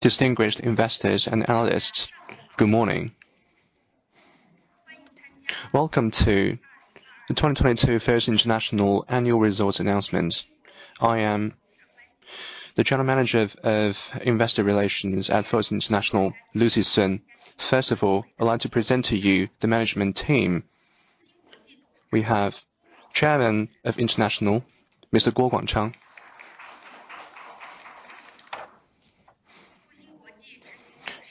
Distinguished investors and analysts, good morning. Welcome to the 2022 Fosun International Annual Results Announcement. I am the General Manager of Investor Relations at Fosun International, Lucy Sun. First of all, I'd like to present to you the management team. We have Chairman of Fosun International, Mr. Guo Guangchang.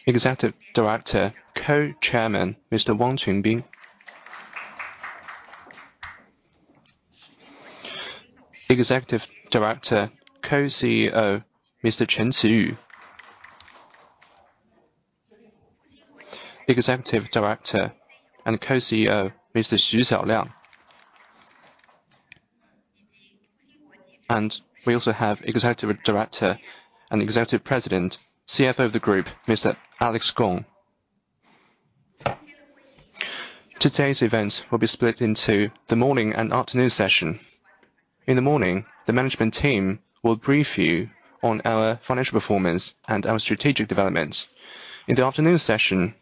Executive Director, Co-Chairman, Mr. Wang Qynbin. Executive Director, Co-CEO, Mr. Chen Qiyu. Executive Director and Co-CEO, Mr. Xu Xiaoliang. We also have Executive Director and Executive President, CFO of the Group, Mr. Alex Gong. Today's event will be split into the morning and afternoon session. In the morning, the management team will brief you on our financial performance and our strategic developments. In the afternoon session,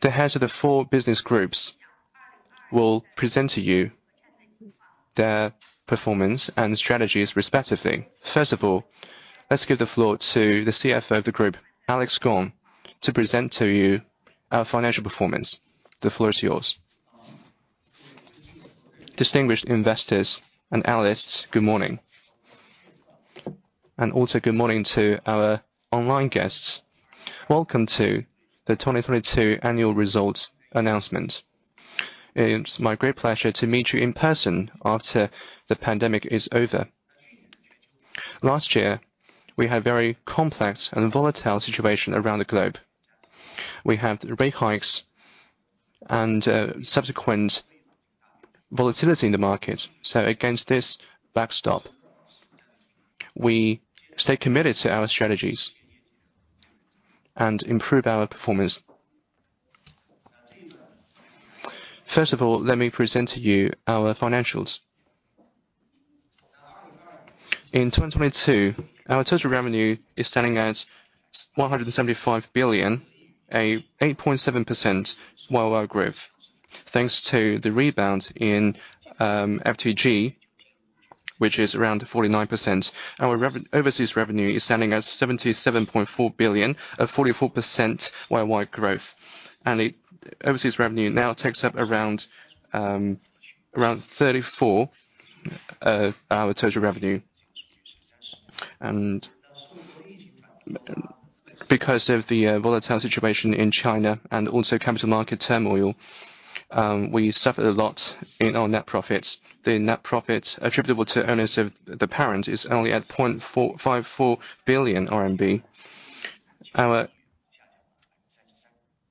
the heads of the four business groups will present to you their performance and strategies respectively. First of all, let's give the floor to the CFO of the Group, Alex Gong, to present to you our financial performance. The floor is yours. Distinguished investors and analysts, good morning. Also good morning to our online guests. Welcome to the 2022 Annual Results Announcement. It's my great pleasure to meet you in person after the pandemic is over. Last year, we had very complex and volatile situation around the globe. We have the rate hikes and subsequent volatility in the market. Against this backstop, we stay committed to our strategies and improve our performance. First of all, let me present to you our financials. In 2022, our total revenue is standing at 175 billion, a 8.7% year-on-year growth. Thanks to the rebound in FTG, which is around 49%. Our overseas revenue is standing at 77.4 billion, a 44% year-on-year growth. Overseas revenue now takes up around 34% our total revenue. Because of the volatile situation in China and also capital market turmoil, we suffered a lot in our net profits. The net profits attributable to earnings of the parent is only at 0.54 billion RMB. Our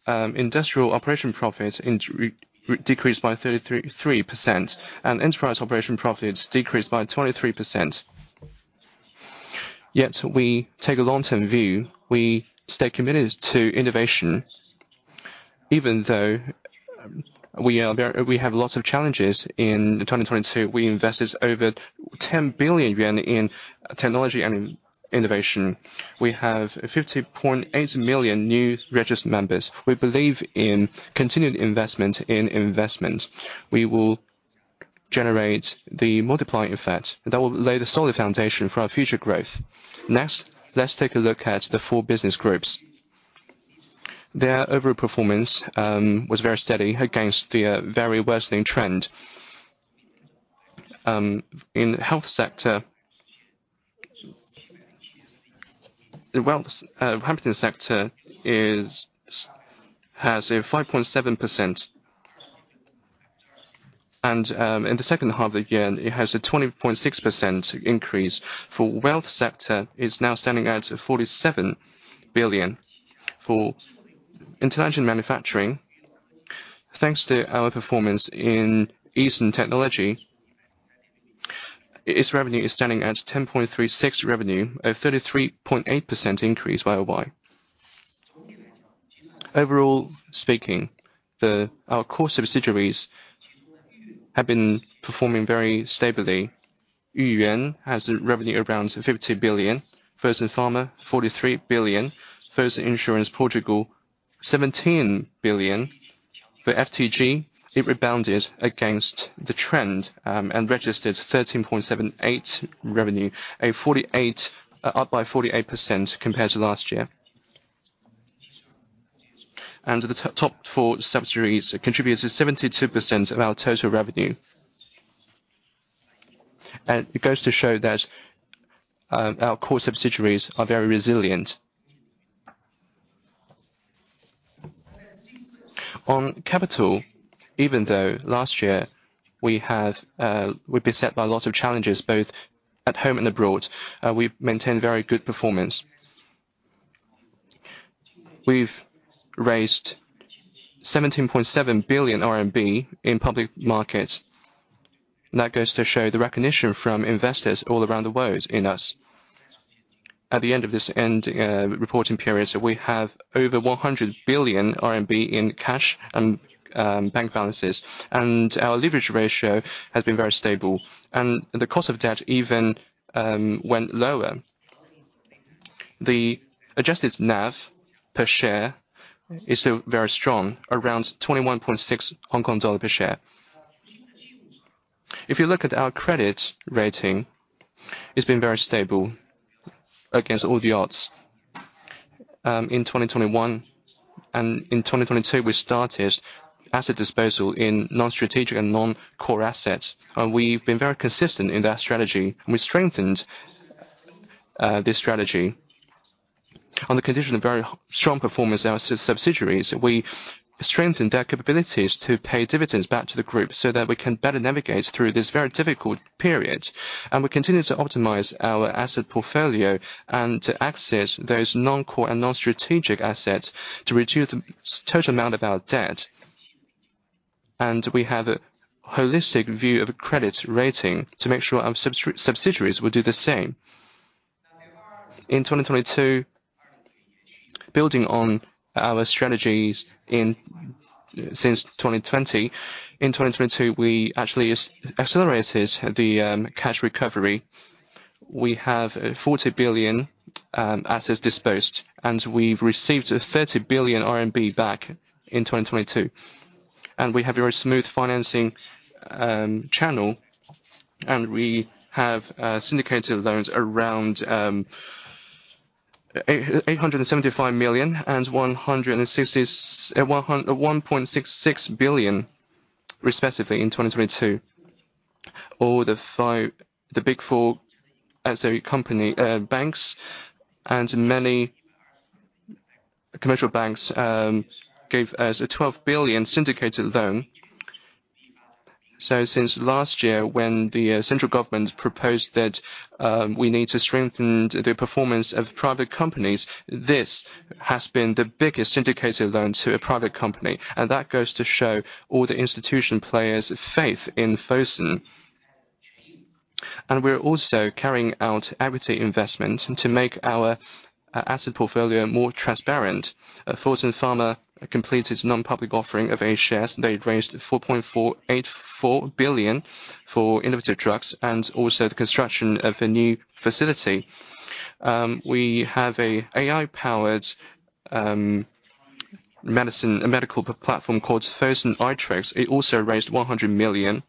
industrial operation profits decreased by 33%, and enterprise operation profits decreased by 23%. We take a long-term view. We stay committed to innovation. Even though we have lots of challenges in 2022, we invested over 10 billion yuan in technology and in innovation. We have 50.8 million new registered members. We believe in continued investment in investment. We will generate the multiplying effect that will lay the solid foundation for our future growth. Let's take a look at the four business groups. Their overall performance was very steady against the very worsening trend. The wealth Hampton sector has a 5.7%. In the second half, it has a 20.6% increase. For wealth sector, it's now standing at 47 billion. For intelligent manufacturing, thanks to our performance in Easun Technology, its revenue is standing at 10.36 billion, a 33.8% increase year-over-year. Overall speaking, our core subsidiaries have been performing very stably. Yuyuan has a revenue around 50 billion. Fosun Pharma, 43 billion. Fosun Insurance Portugal, 17 billion. For FTG, it rebounded against the trend, registered 13.78 revenue, up by 48% compared to last year. The top four subsidiaries contributes to 72% of our total revenue. It goes to show that our core subsidiaries are very resilient. On capital, even though last year we've been set by a lot of challenges both at home and abroad, we maintained very good performance. We've raised 17.7 billion RMB in public markets. That goes to show the recognition from investors all around the world in us. At the end of this reporting period, so we have over 100 billion RMB in cash and bank balances, and our leverage ratio has been very stable. The cost of debt even went lower. The adjusted NAV per share is very strong, around 21.6 Hong Kong dollar per share. If you look at our credit rating, it's been very stable against all the odds. In 2021 and in 2022, we started asset disposal in non-strategic and non-core assets, we've been very consistent in that strategy. We strengthened this strategy on the condition of very strong performance of our subsidiaries. We strengthened their capabilities to pay dividends back to the group so that we can better navigate through this very difficult period. We continue to optimize our asset portfolio and to access those non-core and non-strategic assets to reduce total amount of our debt. We have a holistic view of credit rating to make sure our subsidiaries will do the same. In 2022, building on our strategies since 2020, in 2022, we actually accelerated the cash recovery. We have 40 billion assets disposed, and we've received 30 billion RMB back in 2022. We have a very smooth financing channel, and we have syndicated loans around 875 million and 1.66 billion respectively in 2022. The big four as a company, banks and many commercial banks, gave us a 12 billion syndicated loan. Since last year, when the central government proposed that we need to strengthen the performance of private companies, this has been the biggest syndicated loan to a private company. That goes to show all the institution players' faith in Fosun. We're also carrying out equity investment, and to make our asset portfolio more transparent. Fosun Pharma completed non-public offering of A shares. They raised 4.484 billion for innovative drugs and also the construction of a new facility. We have an AI-powered medical platform called Fosun Aitrox. It also raised $100 million.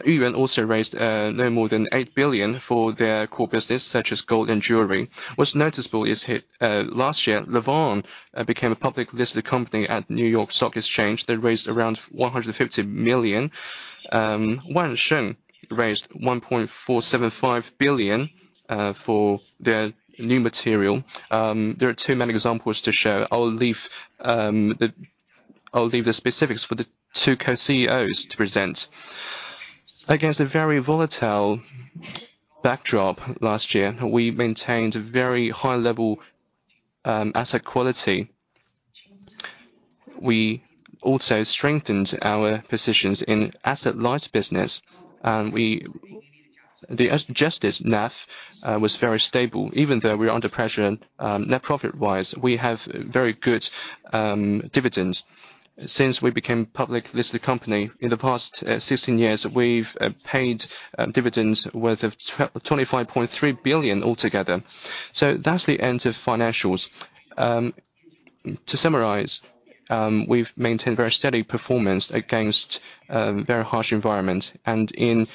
Yuyuan also raised no more than 8 billion for their core business, such as gold and jewelry. What's noticeable is last year, Lanvin became a public listed company at New York Stock Exchange. They raised around $150 million. Wanxiang raised 1.475 billion for their new material. There are too many examples to show. I'll leave the specifics for the two co-CEOs to present. Against a very volatile backdrop last year, we maintained a very high level, asset quality. We also strengthened our positions in asset-light business. The as-adjusted NAV was very stable. Even though we're under pressure, net profit-wise, we have very good dividends. Since we became public listed company in the past, 16 years, we've paid dividends worth of 25.3 billion altogether. That's the end of financials. To summarize, we've maintained very steady performance against very harsh environment. In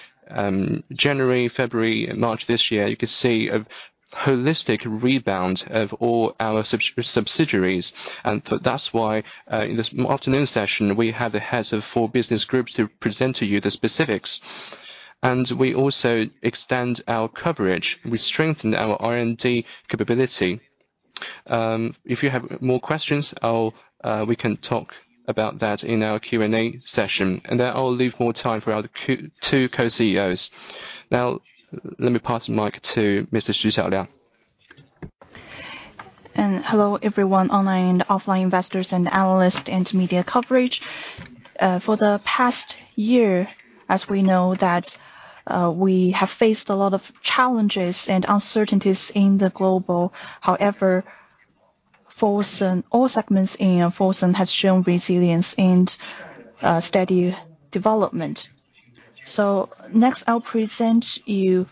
January, February and March this year, you could see a holistic rebound of all our subsidiaries. That's why, in this afternoon session, we have the heads of four business groups to present to you the specifics. We also extend our coverage. We strengthen our R&D capability. If you have more questions, we can talk about that in our Q&A session. I'll leave more time for our two Co-CEOs. Let me pass the mic to Mr. Xu Xiaoliang. Hello, everyone, online and offline investors and analysts and media coverage. For the past year, as we know that, we have faced a lot of challenges and uncertainties in the global. However, Fosun, all segments in Fosun has shown resilience and steady development. Next, I'll present you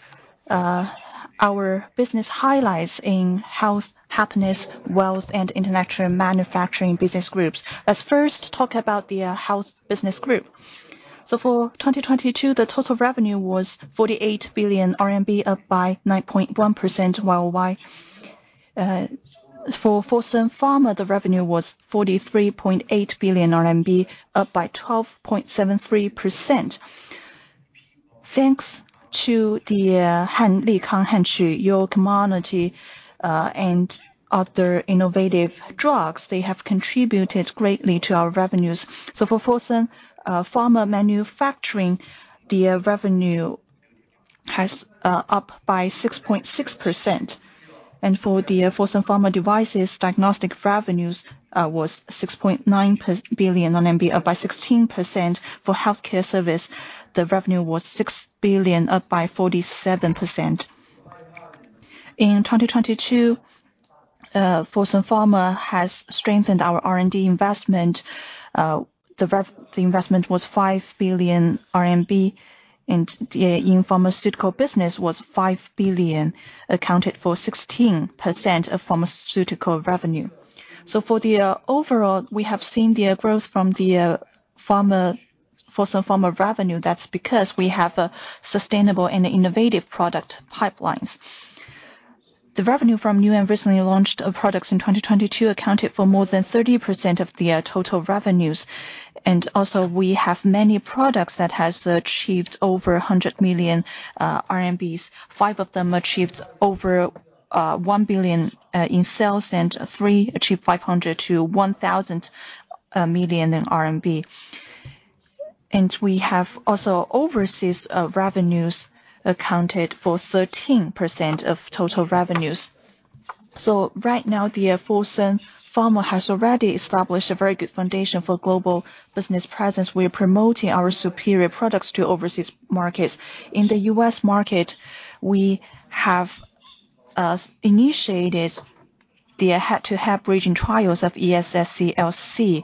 our business highlights in health, happiness, wealth and international manufacturing business groups. Let's first talk about the health business group. For 2022, the total revenue was 48 billion RMB, up by 9.1% YOY. For Fosun Pharma, the revenue was 43.8 billion RMB, up by 12.73%. Thanks to the Halavan, Henxi, Comirnaty, and other innovative drugs, they have contributed greatly to our revenues. For Fosun Pharma manufacturing, the revenue has up by 6.6%. For the Fosun Pharma devices, diagnostic revenues was 6.9 billion, up by 16% for healthcare service. The revenue was 6 billion, up by 47%. In 2022, Fosun Pharma has strengthened our R&D investment. The investment was 5 billion RMB, and in pharmaceutical business was 5 billion, accounted for 16% of pharmaceutical revenue. We have seen the growth from the pharma, Fosun Pharma revenue. That's because we have a sustainable and innovative product pipelines. The revenue from new and recently launched products in 2022 accounted for more than 30% of the total revenues. We have many products that has achieved over 100 million RMB. Five of them achieved over 1 billion in sales, and three achieved 500 million-1,000 million RMB. We have also overseas revenues accounted for 13% of total revenues. Right now, Fosun Pharma has already established a very good foundation for global business presence. We are promoting our superior products to overseas markets. In the U.S. market, we have initiated the head-to-head bridging trials of ES-SCLC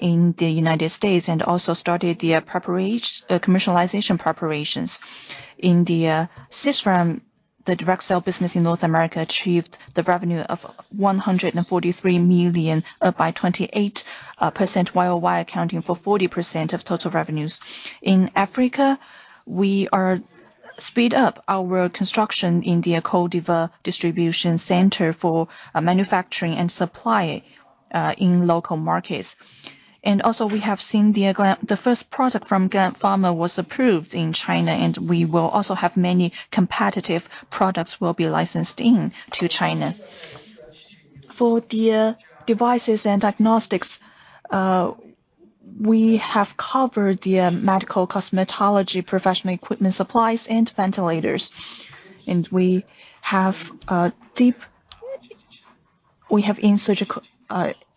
in the United States, and also started the commercialization preparations. In the SySrem, the direct sale business in North America achieved the revenue of 143 million by 28% YOY accounting for 40% of total revenues. In Africa, we are speed up our construction in the Côte d'Ivoire distribution center for manufacturing and supply in local markets. Also we have seen The first product from Gland Pharma was approved in China, and we will also have many competitive products will be licensed in to China. For the devices and diagnostics, we have covered the medical cosmetology, professional equipment supplies and ventilators. We have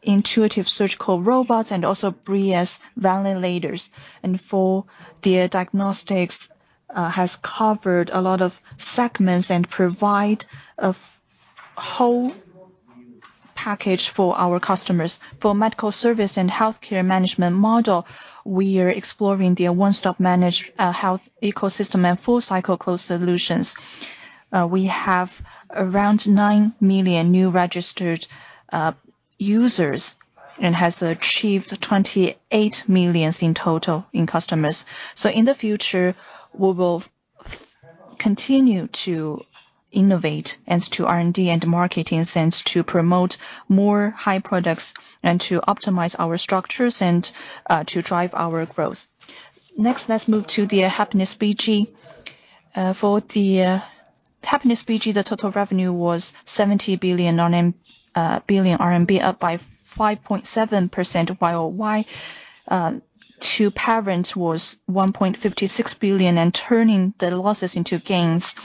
Intuitive Surgical robots and also Breas ventilators. For the diagnostics, has covered a lot of segments and provide a whole package for our customers. For medical service and healthcare management model, we are exploring the one-stop manage health ecosystem and full cycle closed solutions. We have around 9 million new registered users and has achieved 28 millions in total in customers. In the future, we will continue to innovate as to R&D and marketing sense to promote more high products and to optimize our structures and to drive our growth. Next, let's move to the Happiness BG. For the Happiness BG, the total revenue was 70 billion RMB, up by 5.7% YOY. To parents was 1.56 billion and turning the losses into gains.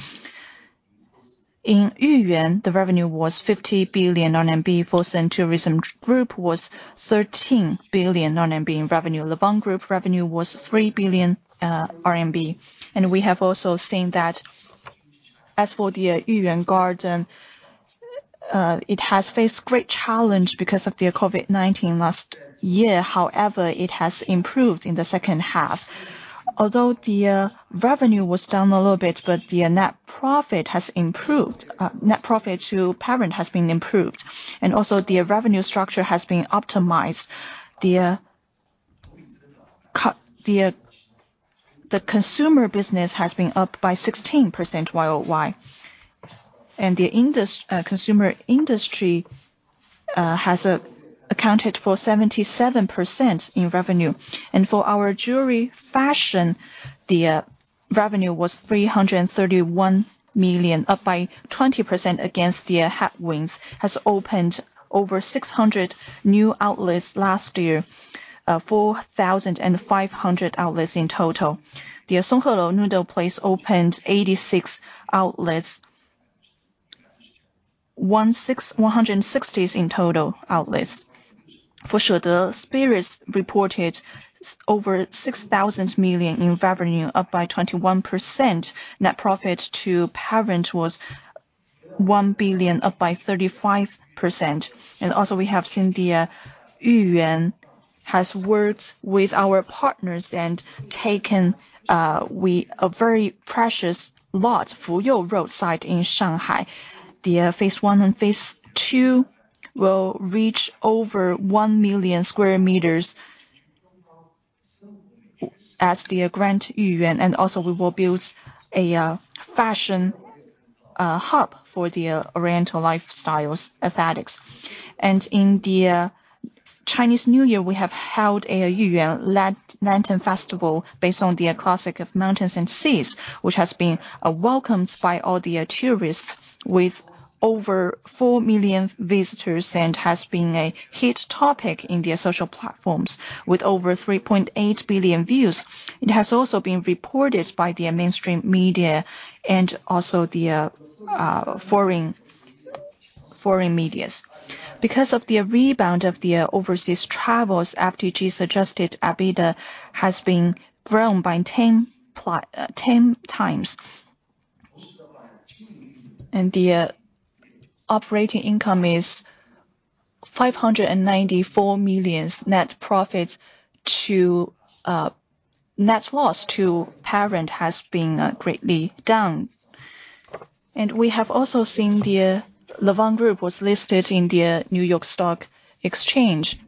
In Yuyuan, the revenue was 50 billion RMB. Fosun Tourism Group was 13 billion RMB in revenue. Lanvin Group revenue was 3 billion RMB. We have also seen that as for the Yuyuan Garden, it has faced great challenge because of the COVID-19 last year. However, it has improved in the second half. Although the revenue was down a little bit, the net profit has improved. Net profit to parent has been improved. The revenue structure has been optimized. The consumer business has been up by 16% YOY. The consumer industry accounted for 77% in revenue. For our jewelry fashion, the revenue was 331 million, up by 20% against the Hatwin's, has opened over 600 new outlets last year, 4,500 outlets in total. The Songhelou Noodle Place opened 86 outlets. 160 in total outlets. For Shede Spirits reported over 6 billion in revenue, up by 21%. Net profit to parent was 1 billion, up by 35%. We have seen the Yuyuan has worked with our partners and taken a very precious lot, Fuyou Road in Shanghai. The phase I and phase II will reach over 1 million square meters as the Grand Yuyuan. Also we will build a fashion hub for the oriental lifestyle aesthetics. In the Chinese New Year, we have held a Yuyuan Lantern Festival based on the Classic of Mountains and Seas, which has been welcomed by all the tourists with over 4 million visitors and has been a hit topic in their social platforms with over 3.8 billion views. It has also been reported by the mainstream media and also the foreign medias. Because of the rebound of the overseas travels, FTG suggested EBITDA has been grown by 10x. The operating income is 594 million. Net profits to net loss to parent has been greatly down. We have also seen the Lanvin Group was listed in the New York Stock Exchange,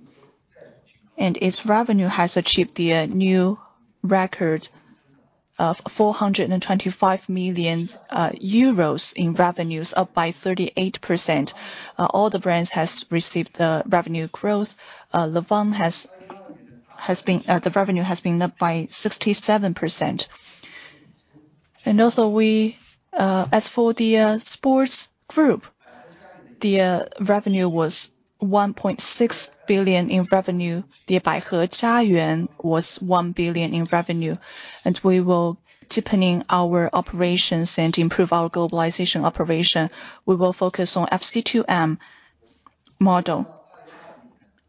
and its revenue has achieved the new record of 425 million euros in revenues, up by 38%. All the brands has received the revenue growth. Lanvin. The revenue has been up by 67%. Also we, as for the sports group, the revenue was 1.6 billion in revenue. The Baihe Jiayuan was 1 billion in revenue. We will deepening our operations and improve our globalization operation. We will focus on FC2M model.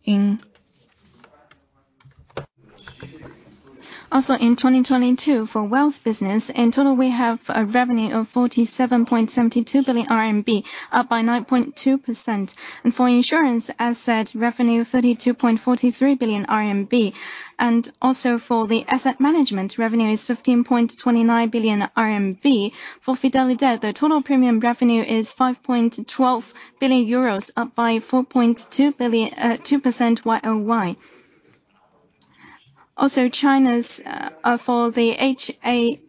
In 2022, for wealth business, in total we have a revenue of 47.72 billion RMB, up by 9.2%. For insurance, as said, revenue 32.43 billion RMB. Also for the asset management, revenue is 15.29 billion RMB. For Fidelidade, the total premium revenue is 5.12 billion euros, up by 4.2 billion, 2% Y-o-Y. Also, China's, for the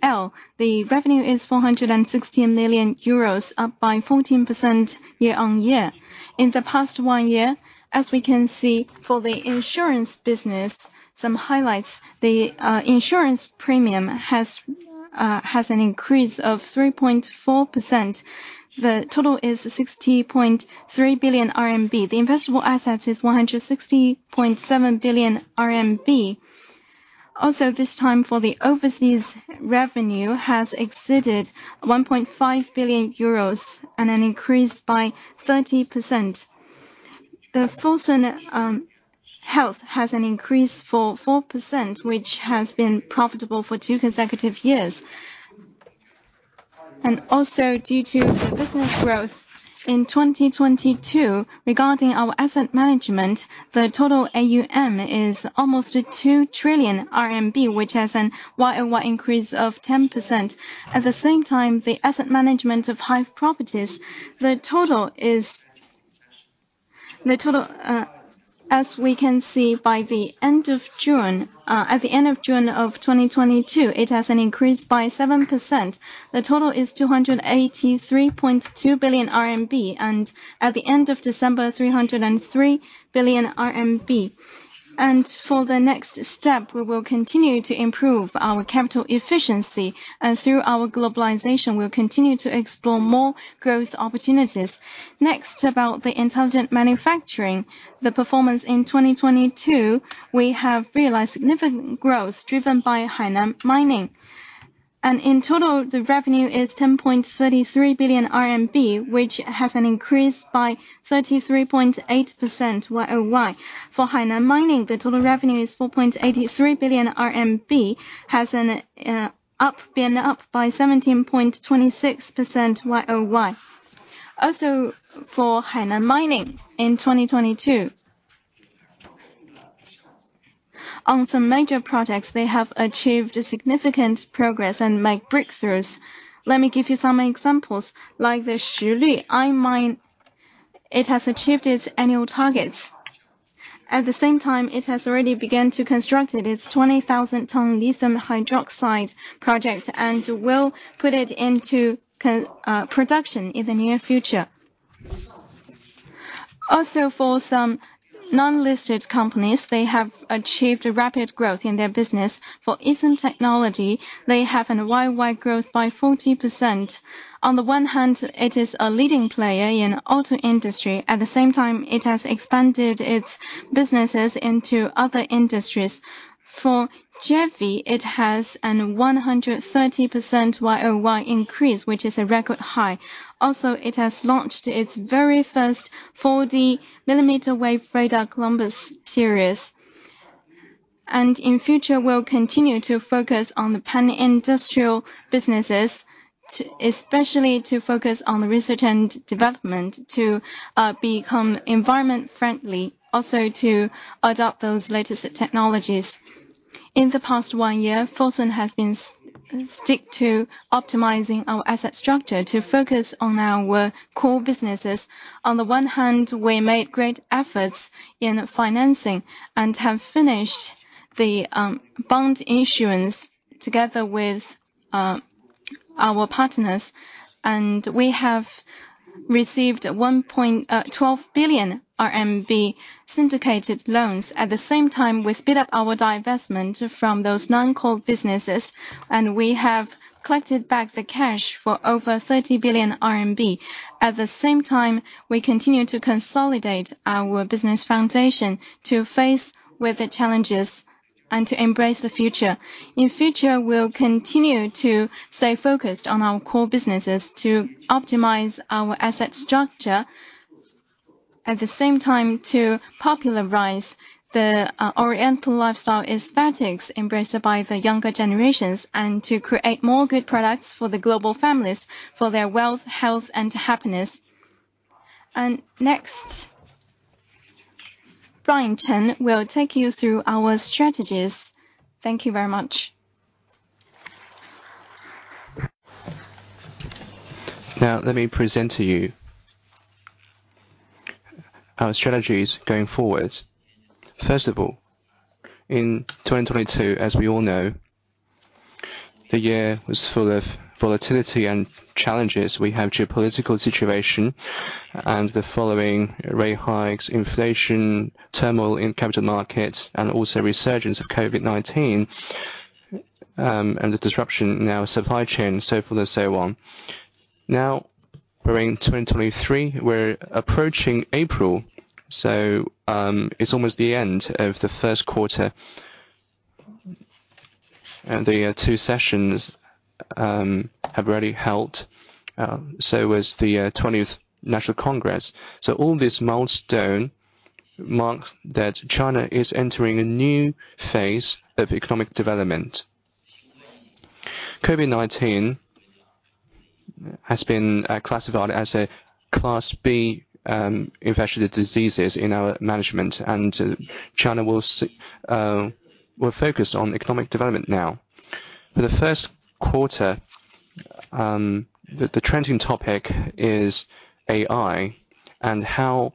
HAL, the revenue is 460 million euros, up by 14% year-over-year. In the past one year, as we can see for the insurance business, some highlights, the insurance premium has an increase of 3.4%. The total is 60.3 billion RMB. The investable assets is 160.7 billion RMB. This time for the overseas revenue has exceeded 1.5 billion euros and an increase by 30%. Fosun Health has an increase for 4%, which has been profitable for 2 consecutive years. Due to the business growth in 2022, regarding our asset management, the total AUM is almost at 2 trillion RMB, which has an Y-o-Y increase of 10%. At the same time, the asset management of hive properties, the total, as we can see by the end of June, at the end of June of 2022, it has an increase by 7%. The total is 283.2 billion RMB, and at the end of December, 303 billion RMB. For the next step, we will continue to improve our capital efficiency, and through our globalization, we'll continue to explore more growth opportunities. Next, about the intelligent manufacturing. The performance in 2022, we have realized significant growth driven by Hainan Mining. In total, the revenue is 10.33 billion RMB, which has an increase by 33.8% Y-o-Y. For Hainan Mining, the total revenue is 4.83 billion RMB, been up by 17.26% Y-o-Y. Also, for Hainan Mining, in 2022, on some major projects, they have achieved significant progress and made breakthroughs. Let me give you some examples, like the Shilu I mine, it has achieved its annual targets. At the same time, it has already began to construct its 20,000 tons lithium hydroxide project and will put it into production in the near future. For some non-listed companies, they have achieved rapid growth in their business. For Easun Technology, they have an Y-o-Y growth by 40%. On the one hand, it is a leading player in auto industry. At the same time, it has expanded its businesses into other industries. For FFT, it has an 130% Y-o-Y increase, which is a record high. It has launched its very first 40-millimeter wave radar Columbus series. In future, we'll continue to focus on the pan-industrial businesses, especially to focus on the research and development to become environment-friendly, also to adopt those latest technologies. In the past one year, Fosun has been stick to optimizing our asset structure to focus on our core businesses. On the one hand, we made great efforts in financing and have finished the bond issuance together with our partners. We have received 1.12 billion RMB syndicated loans. At the same time, we speed up our divestment from those non-core businesses, and we have collected back the cash for over 30 billion RMB. At the same time, we continue to consolidate our business foundation to face with the challenges and to embrace the future. In future, we'll continue to stay focused on our core businesses to optimize our asset structure. At the same time, to popularize the Oriental lifestyle aesthetics embraced by the younger generations, and to create more good products for the global families for their wealth, health, and happiness. Next, Brian Chen will take you through our strategies. Thank you very much. Let me present to you our strategies going forward. First of all, in 2022, as we all know, the year was full of volatility and challenges. We have geopolitical situation and the following rate hikes, inflation, turmoil in capital markets, and also resurgence of COVID-19, and the disruption in our supply chain, so forth and so on. We're in 2023. We're approaching April, it's almost the end of the first quarter. The Two Sessions have already helped, so was the 20th National Congress. All this milestone mark that China is entering a new phase of economic development. COVID-19 has been classified as a Class B infectious diseases in our management. China will focus on economic development now. For the first quarter, the trending topic is AI and how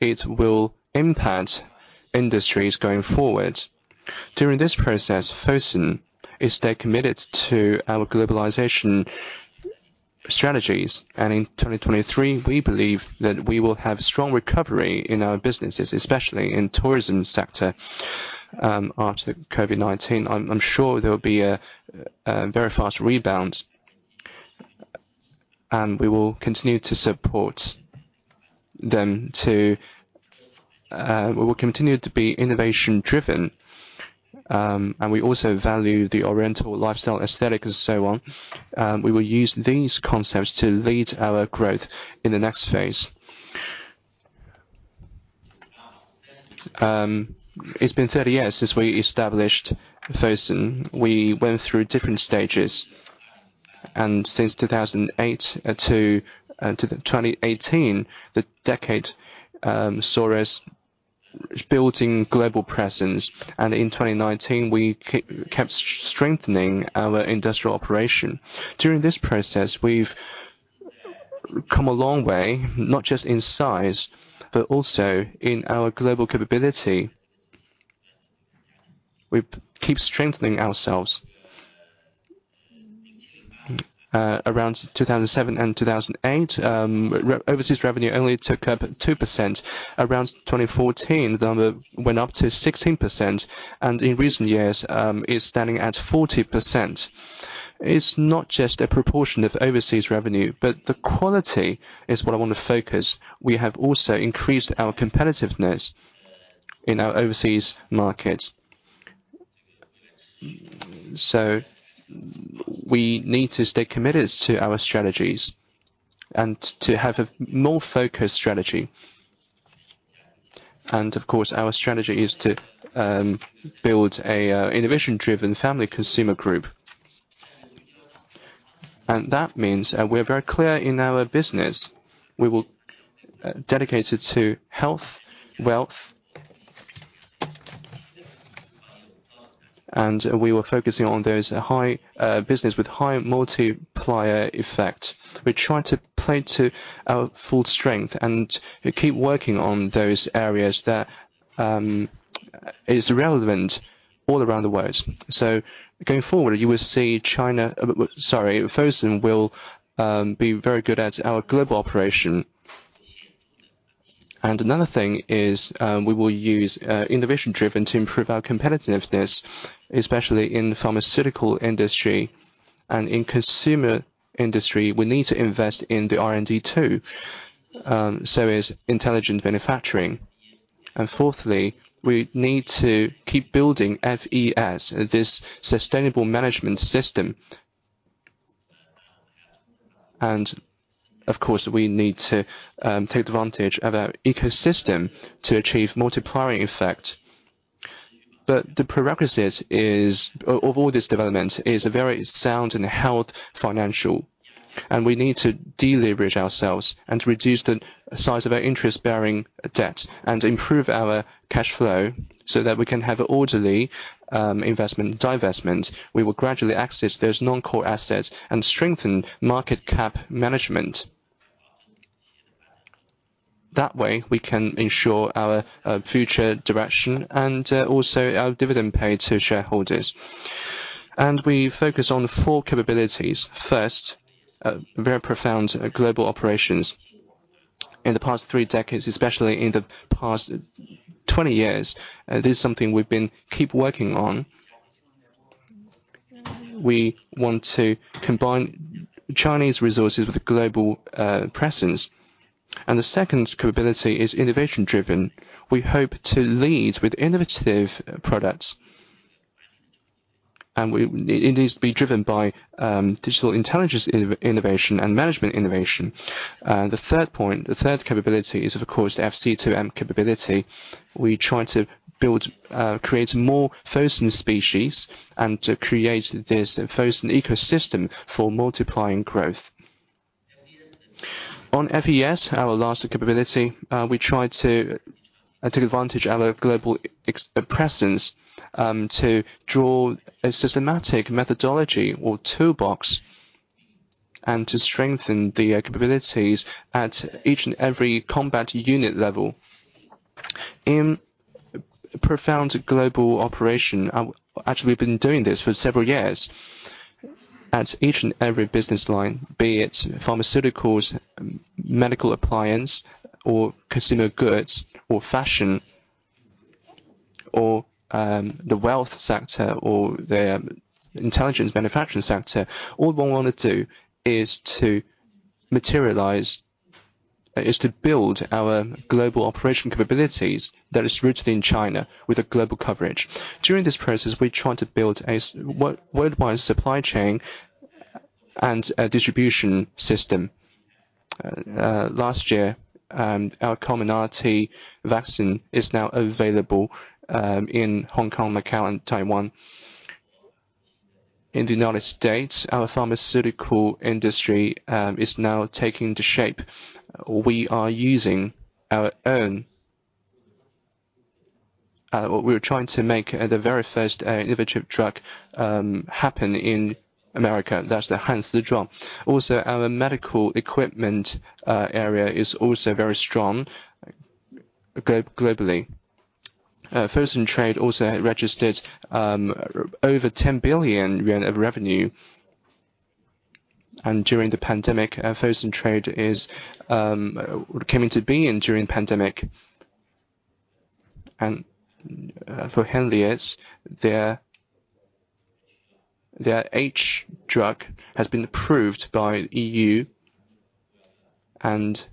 it will impact industries going forward. During this process, Fosun is stay committed to our globalization strategies. In 2023, we believe that we will have strong recovery in our businesses, especially in tourism sector, after COVID-19. I'm sure there will be a very fast rebound. We will continue to be innovation driven, and we also value the Oriental lifestyle aesthetic and so on. We will use these concepts to lead our growth in the next phase. It's been 30 years since we established Fosun. We went through different stages. Since 2008 to the 2018, the decade, saw us building global presence. In 2019, we kept strengthening our industrial operation. During this process, we've come a long way, not just in size, but also in our global capability. We keep strengthening ourselves. Around 2007 and 2008, overseas revenue only took up 2%. Around 2014, the number went up to 16%. In recent years, is standing at 40%. It's not just a proportion of overseas revenue, but the quality is what I wanna focus. We have also increased our competitiveness in our overseas markets. We need to stay committed to our strategies and to have a more focused strategy. Of course, our strategy is to build an innovation-driven family consumer group. That means, we're very clear in our business, we will dedicated to health, wealth and we will focusing on those high business with high multiplier effect. We try to play to our full strength. We keep working on those areas that is relevant all around the world. Going forward, you will see Fosun will be very good at our global operation. Another thing is, we will use innovation driven to improve our competitiveness, especially in the pharmaceutical industry and in consumer industry. We need to invest in the R&D too, so is intelligent manufacturing. Fourthly, we need to keep building FES, this sustainable management system. Of course, we need to take advantage of our ecosystem to achieve multiplying effect. The prerequisites is... of all this development, is a very sound and health financial, and we need to deleverage ourselves and to reduce the size of our interest-bearing debt, and improve our cash flow, so that we can have orderly investment, divestment. We will gradually access those non-core assets and strengthen market cap management. That way, we can ensure our future direction and also our dividend pay to shareholders. We focus on four capabilities. First, very profound global operations. In the past three decades, especially in the past 20 years, this is something we've been keep working on. We want to combine Chinese resources with global presence. The second capability is innovation driven. We hope to lead with innovative products. It needs to be driven by digital intelligence innovation and management innovation. The third point, the third capability is, of course, FC2M capability. We try to build, create more Fosun species, and to create this Fosun ecosystem for multiplying growth. On FES, our last capability, we try to take advantage of our global ex-presence, to draw a systematic methodology or toolbox, and to strengthen the capabilities at each and every combat unit level. In profound global operation, actually we've been doing this for several years. At each and every business line, be it pharmaceuticals, medical appliance or consumer goods or fashion or, the wealth sector or the Intelligent Manufacturing sector, all we wanna do is to materialize, is to build our global operation capabilities that is rooted in China with a global coverage. During this process, we try to build a worldwide supply chain and a distribution system. Last year, our Comirnaty vaccine is now available in Hong Kong, Macau, and Taiwan. In the United States, our pharmaceutical industry is now taking the shape. We are using our own, what we were trying to make the very first innovative drug happen in America. That's the HANSIZHUANG. Also, our medical equipment area is also very strong globally. Fosun Trade also registered over 10 billion yuan of revenue. During the pandemic, Fosun Trade came into being during pandemic. For Henlius, their H drug has been approved by EU and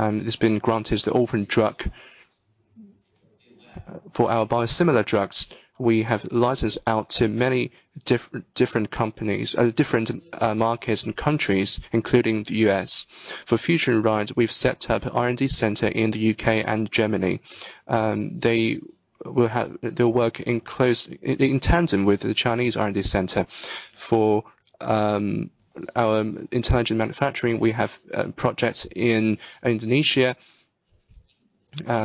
it's been granted the orphan drug. For our biosimilar drugs, we have licensed out to many different companies, different markets and countries, including the U.S. For FFT, we've set up R&D center in the UK and Germany. They'll work in close in tandem with the Chinese R&D center. For our intelligent manufacturing, we have projects in Indonesia,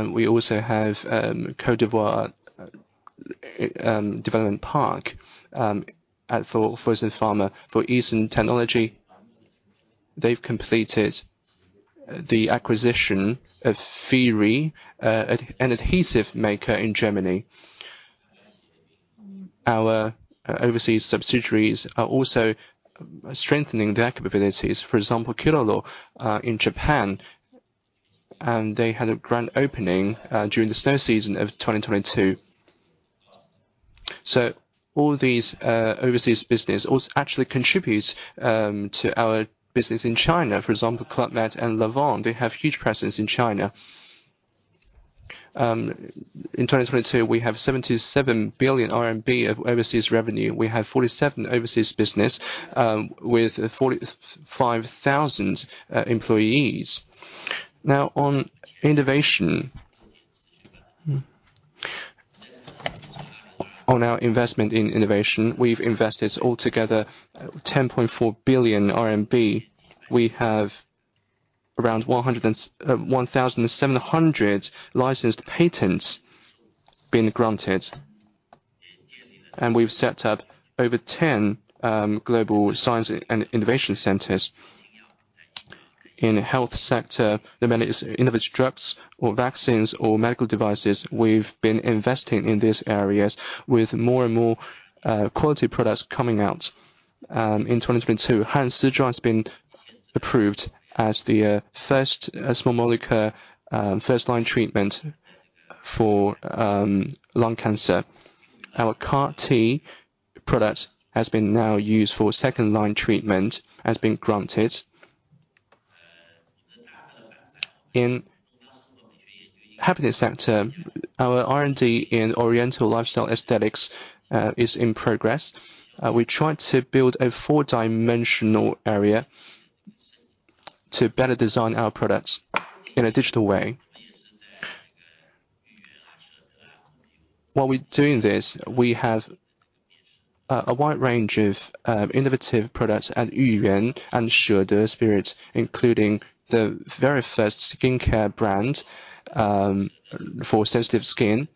we also have Cote d'Ivoire development park for Fosun Pharma. For Easun Technology, they've completed the acquisition of FrieLacke, an adhesive maker in Germany. Our overseas subsidiaries are also strengthening their capabilities. For example, Kiroro in Japan, they had a grand opening during the snow season of 2022. All these overseas business also actually contributes to our business in China. For example, Club Med and Lanvin, they have huge presence in China. In 2022, we have 77 billion RMB of overseas revenue. We have 47 overseas business with 45,000 employees. Now, on innovation. On our investment in innovation, we've invested altogether 10.4 billion RMB. We have around 1,700 licensed patents been granted. We've set up over 10 global science and innovation centers. In health sector, no matter it's innovative drugs or vaccines or medical devices, we've been investing in these areas with more and more quality products coming out. In 2022, HANSIZHUANG has been approved as the first small molecule first line treatment for lung cancer. Our CAR T product has been now used for second line treatment has been granted. In happiness sector, our R&D in oriental lifestyle aesthetics is in progress. We try to build a 4-dimensional area to better design our products in a digital way. While we're doing this, we have a wide range of innovative products at Yuyuan and Shede Spirits, including the very first skincare brand for sensitive skin,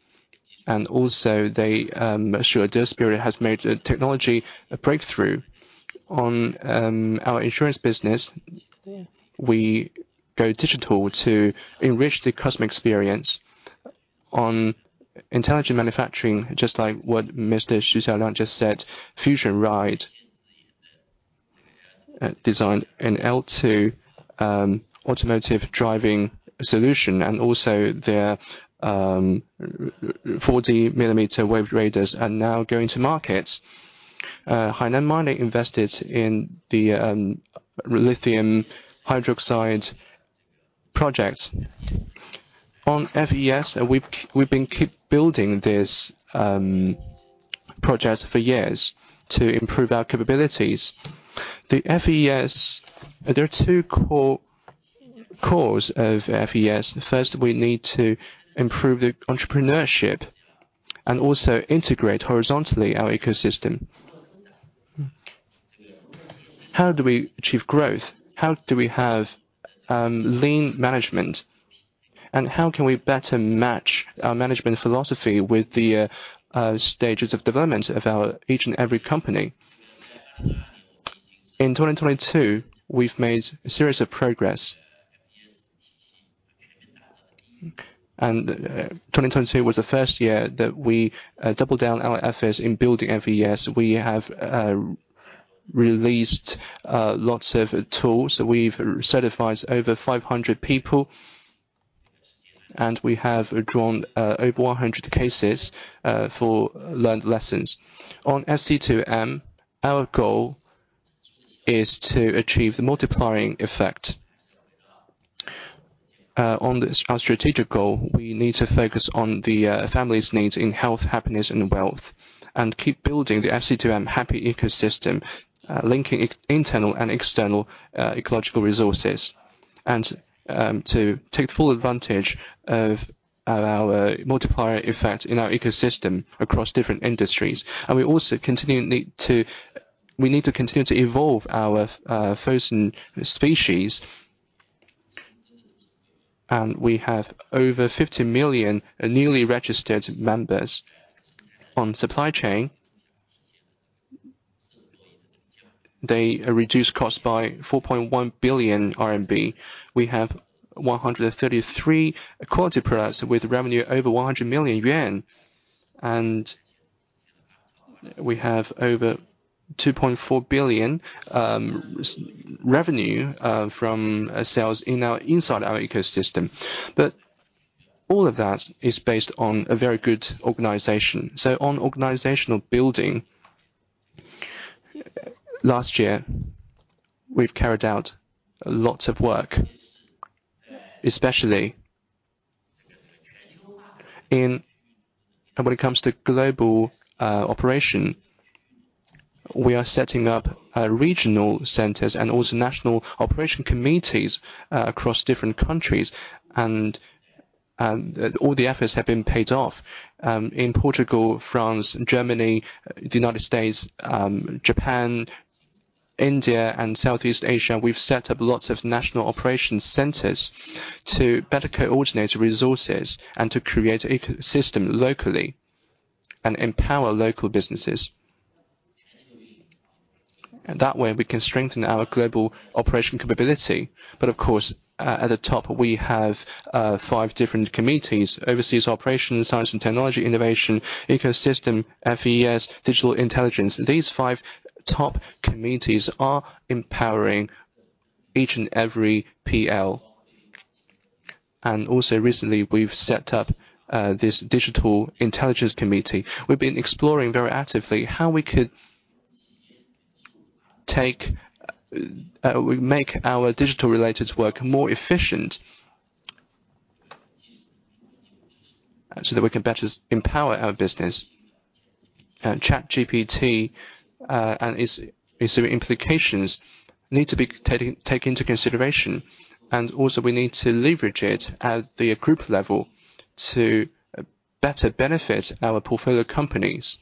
and also Shede Spirits has made a technology, a breakthrough. On our insurance business, we go digital to enrich the customer experience. On intelligent manufacturing, just like what Mr. Xu Xiaoliang just said, Fusionride designed an L2 automotive driving solution, and also their 40-millimeter wave radars are now going to market. Hainan Mining invested in the lithium hydroxide project. On FES, we've been keep building this project for years to improve our capabilities. The FES, there are two cores of FES. First, we need to improve the entrepreneurship and also integrate horizontally our ecosystem. How do we achieve growth? How do we have lean management? How can we better match our management philosophy with the stages of development of our each and every company? In 2022, we've made a series of progress. 2022 was the first year that we doubled down our efforts in building FES. We have released lots of tools. We've certified over 500 people. We have drawn over 100 cases for learned lessons. On FC2M, our goal is to achieve the multiplying effect. On this, our strategic goal, we need to focus on the family's needs in health, happiness and wealth, and keep building the FC2M happy ecosystem, linking internal and external ecological resources, and to take full advantage of our multiplier effect in our ecosystem across different industries. We also continually need to... We need to continue to evolve our Fosun species. We have over 50 million newly registered members. On supply chain, they reduce cost by 4.1 billion RMB. We have 133 quality products with revenue over 100 million yuan. We have over 2.4 billion revenue from sales inside our ecosystem. All of that is based on a very good organization. On organizational building, last year we've carried out lots of work, especially in. When it comes to global operation, we are setting up regional centers and also national operation committees across different countries. All the efforts have been paid off in Portugal, France, Germany, the United States, Japan, India and Southeast Asia. We've set up lots of national operation centers to better coordinate resources and to create ecosystem locally and empower local businesses. That way we can strengthen our global operation capability. Of course, at the top, we have five different committees: overseas operations, science and technology, innovation, ecosystem, FES, digital intelligence. These five top committees are empowering each and every PL. Recently we've set up this digital intelligence committee. We've been exploring very actively how we could make our digital-related work more efficient, so that we can better empower our business. ChatGPT and its implications need to be take into consideration. We need to leverage it at the group level to better benefit our portfolio companies.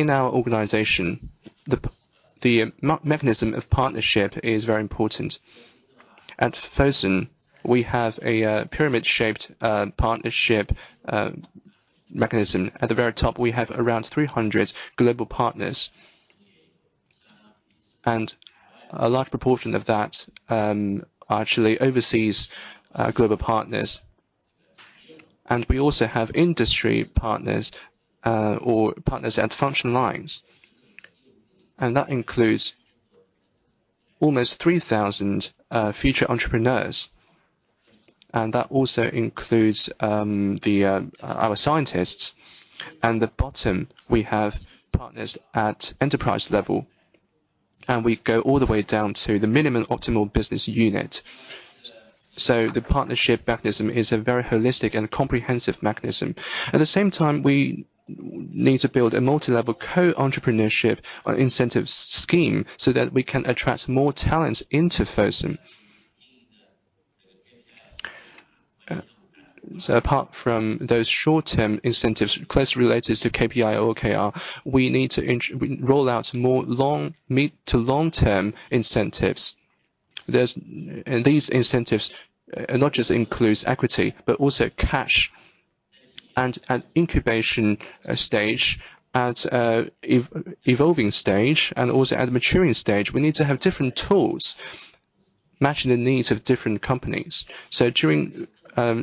In our organization, the mechanism of partnership is very important. At Fosun, we have a pyramid-shaped partnership mechanism. At the very top, we have around 300 global partners. A large proportion of that are actually overseas global partners. We also have industry partners, or partners at function lines, that includes almost 3,000 future entrepreneurs. That also includes the our scientists. The bottom, we have partners at enterprise level, and we go all the way down to the minimum optimal business unit. The partnership mechanism is a very holistic and comprehensive mechanism. At the same time, we need to build a multilevel co-entrepreneurship or incentive scheme, so that we can attract more talents into Fosun. Apart from those short-term incentives closely related to KPI or OKR, we need to roll out more long, mid to long-term incentives. These incentives not just includes equity, but also cash. At incubation, stage, at evolving stage and also at maturing stage, we need to have different tools. Matching the needs of different companies. During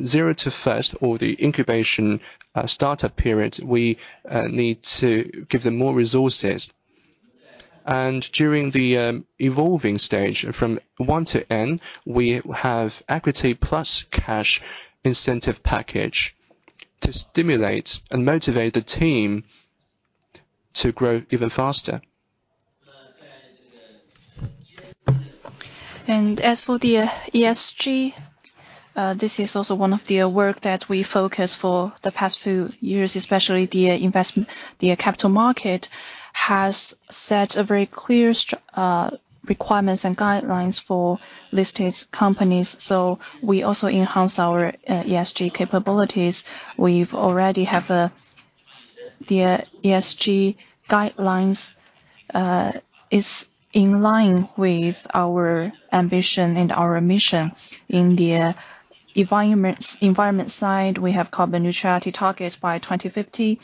zero to first or the incubation, startup period, we need to give them more resources. During the evolving stage from 1 to N, we have equity plus cash incentive package to stimulate and motivate the team to grow even faster. As for the ESG, this is also one of the work that we focus for the past few years, especially the investment. The capital market has set a very clear requirements and guidelines for listed companies, so we also enhance our ESG capabilities. We've already have a, the ESG guidelines, is in line with our ambition and our mission. In the environments, environment side, we have carbon neutrality target by 2050.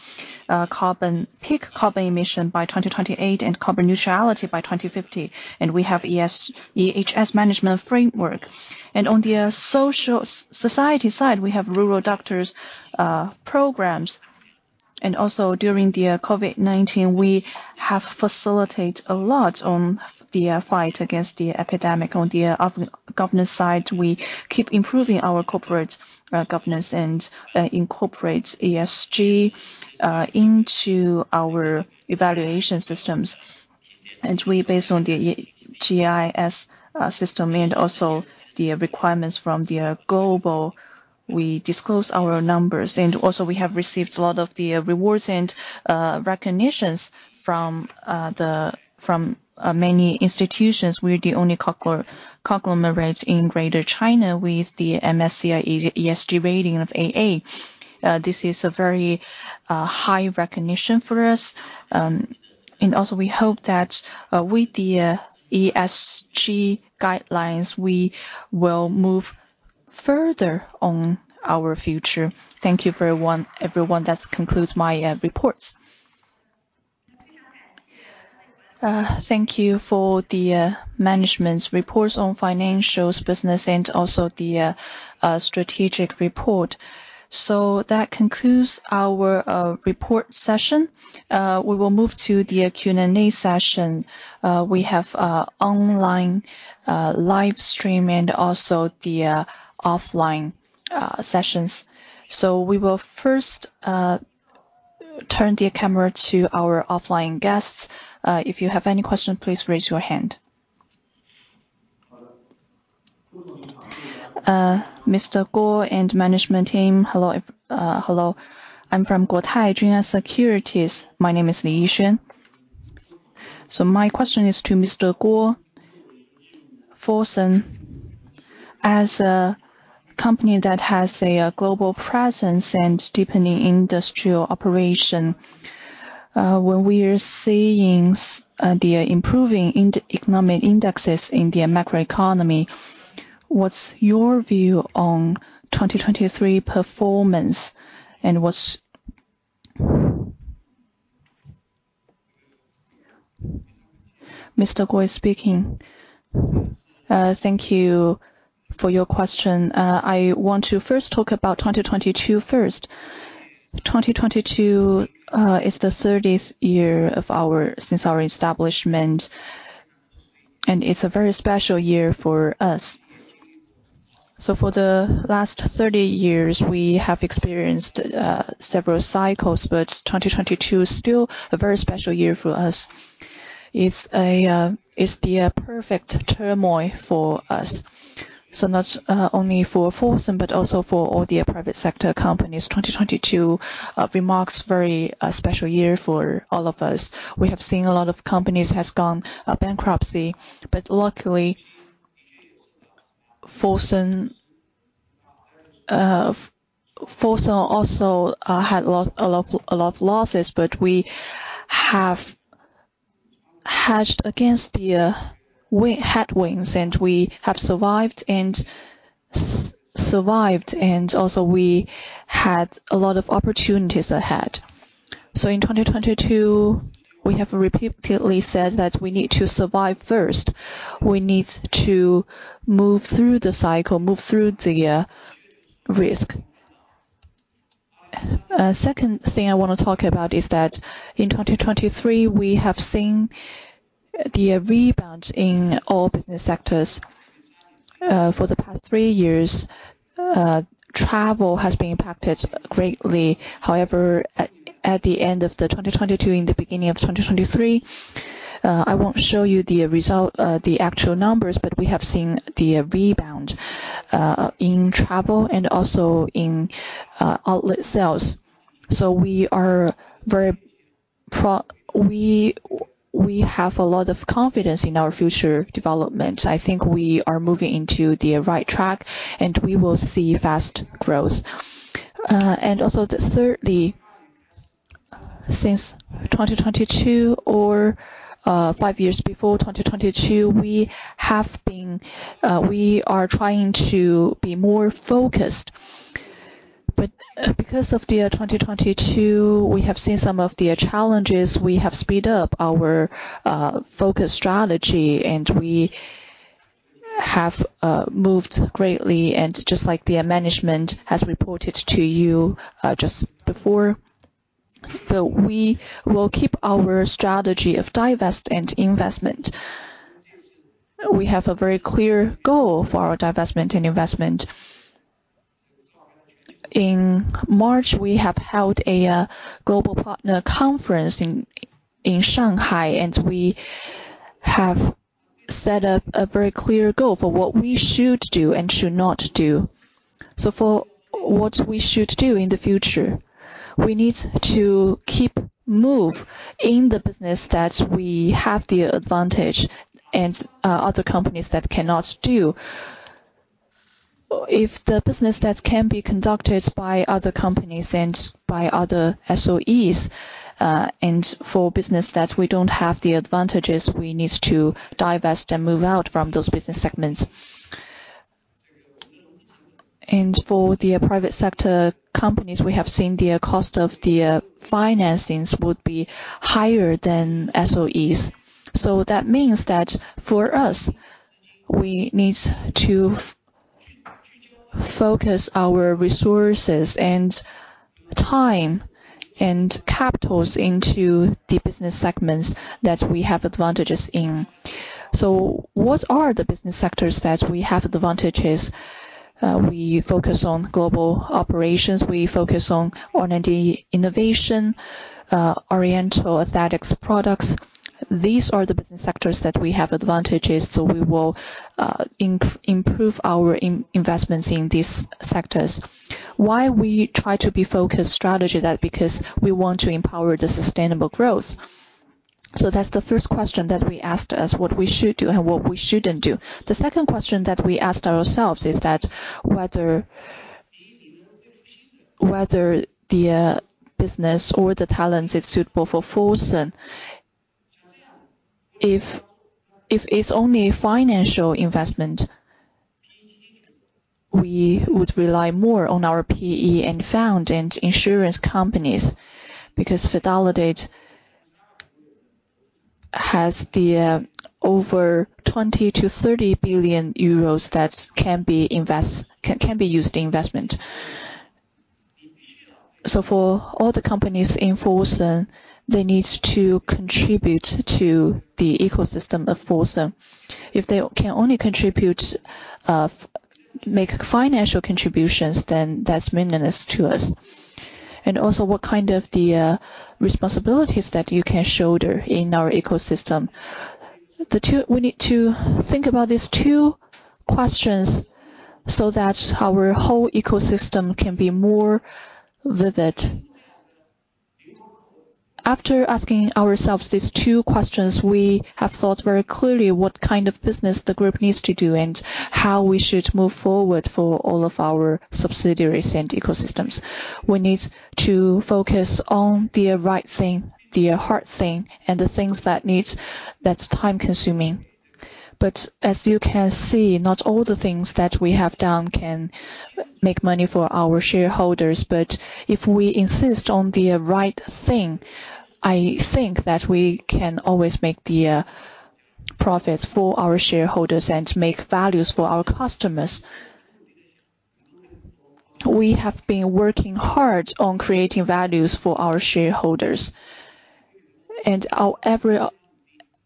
Carbon, peak carbon emission by 2028, and carbon neutrality by 2050. We have EHS management framework. On the social society side, we have rural doctors programs. During the COVID-19, we have facilitate a lot on the fight against the epidemic. On the governance side, we keep improving our corporate governance and incorporate ESG into our evaluation systems. We based on the GIS system and also the requirements from the global, we disclose our numbers. We have received a lot of the rewards and recognitions from many institutions. We're the only conglomerates in Greater China with the MSCI ESG rating of AA. This is a very high recognition for us. We hope that with the ESG guidelines, we will move further on our future. Thank you everyone. That concludes my reports. Thank you for the management's reports on financials, business and also the strategic report. That concludes our report session. We will move to the Q&A session. We have online live stream and also the offline sessions. We will first turn the camera to our offline guests. If you have any questions, please raise your hand. Mr. Guo and management team, hello. I'm from Guotai Junan Securities. My name is Li Yixun. My question is to Mr. Guo. Fosun, as a company that has a global presence and deepening industrial operation, when we are seeing the improving economic indexes in the macroeconomy, what's your view on 2023 performance, and what's... Mr. Guo speaking. Thank you for your question. I want to first talk about 2022 first. 2022 is the 30th year of our, since our establishment, and it's a very special year for us. For the last 30 years, we have experienced several cycles, but 2022 is still a very special year for us. It's the perfect turmoil for us. Not only for Fosun, but also for all the private sector companies. 2022 remarks very, a special year for all of us. We have seen a lot of companies has gone bankruptcy. Luckily, Fosun also had lost a lot, a lot of losses, but we have hedged against the win-headwinds, and we have survived and also we had a lot of opportunities ahead. In 2022, we have repeatedly said that we need to survive first. We need to move through the cycle, move through the risk. Second thing I wanna talk about is that in 2023, we have seen the rebound in all business sectors. For the past 3 years, travel has been impacted greatly. However, at the end of 2022, in the beginning of 2023, I won't show you the result, the actual numbers, but we have seen the rebound in travel and also in outlet sales. We are very We have a lot of confidence in our future development. I think we are moving into the right track, and we will see fast growth. The thirdly, since 2022 or 5 years before 2022, we have been... we are trying to be more focused. Because of the year 2022, we have seen some of the challenges. We have speed up our focus strategy, and we have moved greatly and just like the management has reported to you just before. We will keep our strategy of divest and investment. We have a very clear goal for our divestment and investment. In March, we have held a global partner conference in Shanghai, and we have set up a very clear goal for what we should do and should not do. For what we should do in the future, we need to keep move in the business that we have the advantage and other companies that cannot do. If the business that can be conducted by other companies and by other SOEs, and for business that we don't have the advantages, we need to divest and move out from those business segments. For the private sector companies, we have seen their cost of the financings would be higher than SOEs. That means that for us, we need to focus our resources and time and capitals into the business segments that we have advantages in. What are the business sectors that we have advantages? We focus on global operations. We focus on R&D innovation, oriental aesthetics products. These are the business sectors that we have advantages, so we will improve our investments in these sectors. Why we try to be focused strategy? That because we want to empower the sustainable growth. That's the first question that we asked us, what we should do and what we shouldn't do. The second question that we asked ourselves is that whether the business or the talents is suitable for Fosun. If it's only financial investment, we would rely more on our PE and found and insurance companies, because Fidelity has over 20 billion-30 billion euros that can be used investment. For all the companies in Fosun, they need to contribute to the ecosystem of Fosun. If they can only contribute, make financial contributions, that's meaningless to us. Also what kind of the responsibilities that you can shoulder in our ecosystem. We need to think about these two questions so that our whole ecosystem can be more vivid. After asking ourselves these two questions, we have thought very clearly what kind of business the group needs to do and how we should move forward for all of our subsidiaries and ecosystems. We need to focus on the right thing, the hard thing, and the things that needs that's time-consuming. As you can see, not all the things that we have done can make money for our shareholders. If we insist on the right thing, I think that we can always make the profits for our shareholders and make values for our customers. We have been working hard on creating values for our shareholders. Our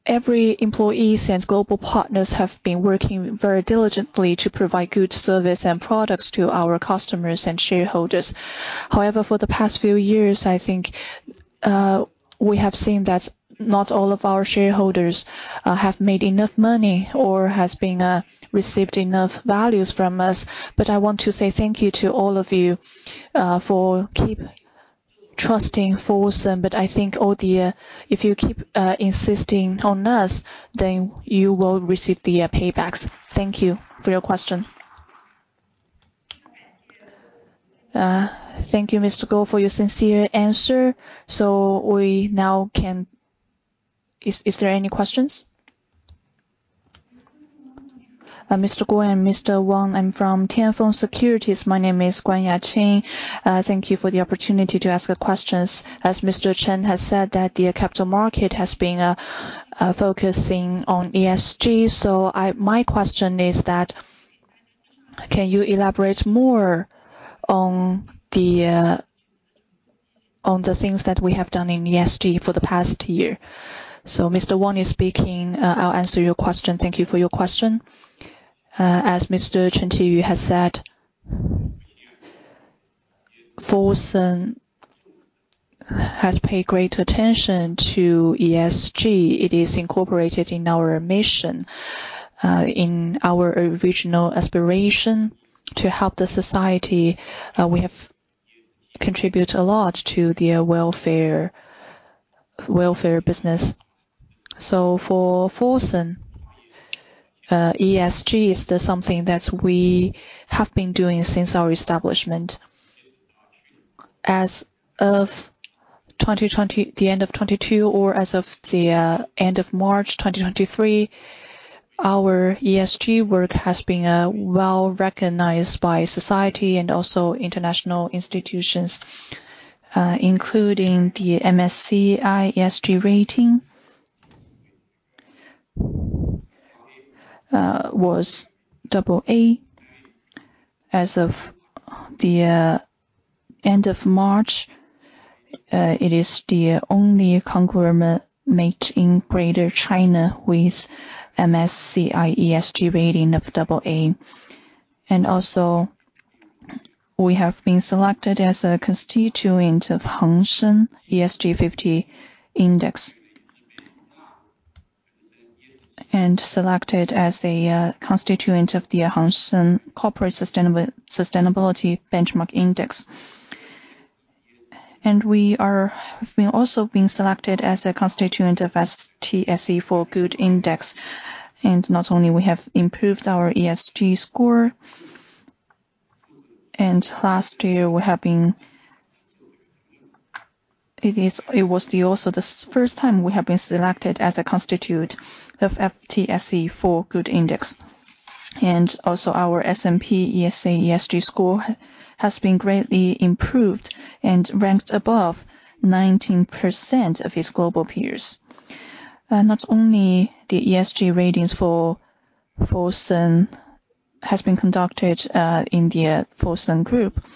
every employee and global partners have been working very diligently to provide good service and products to our customers and shareholders. For the past few years, I think, we have seen that not all of our shareholders have made enough money or has been received enough values from us. I want to say thank you to all of you for keep trusting Fosun. If you keep insisting on us, then you will receive the paybacks. Thank you for your question. Thank you, Mr. Guo, for your sincere answer. we now can... Is there any questions? Mr. Guo and Mr. Wang, I'm from Tianfeng Securities. My name is Guanya Chain. Thank you for the opportunity to ask the questions. As Mr. Chen has said that the capital market has been focusing on ESG. My question is that, can you elaborate more on the things that we have done in ESG for the past year? Mr. Wang is speaking. I'll answer your question. Thank you for your question. As Mr. Chen Qiyu has said, Fosun has paid great attention to ESG. It is incorporated in our mission, in our original aspiration to help the society. We have contribute a lot to the welfare business. For Fosun, ESG is the something that we have been doing since our establishment. As of the end of 2022 or as of the end of March 2023, our ESG work has been well-recognized by society and also international institutions, including the MSCI ESG Rating was AA as of the end of March. It is the only conglomerate made in Greater China with MSCI ESG Rating of AA. We have been selected as a constituent of Hang Seng ESG 50 Index. Selected as a constituent of the Hang Seng Corporate Sustainability Benchmark Index. We have been also been selected as a constituent of FTSE4Good Index. Not only we have improved our ESG score, last year we have been... It was also the first time we have been selected as a constituent of FTSE4Good Index. Also our S&P ESA ESG score has been greatly improved and ranked above 19% of its global peers. Not only the ESG ratings for Fosun has been conducted in the Fosun Group,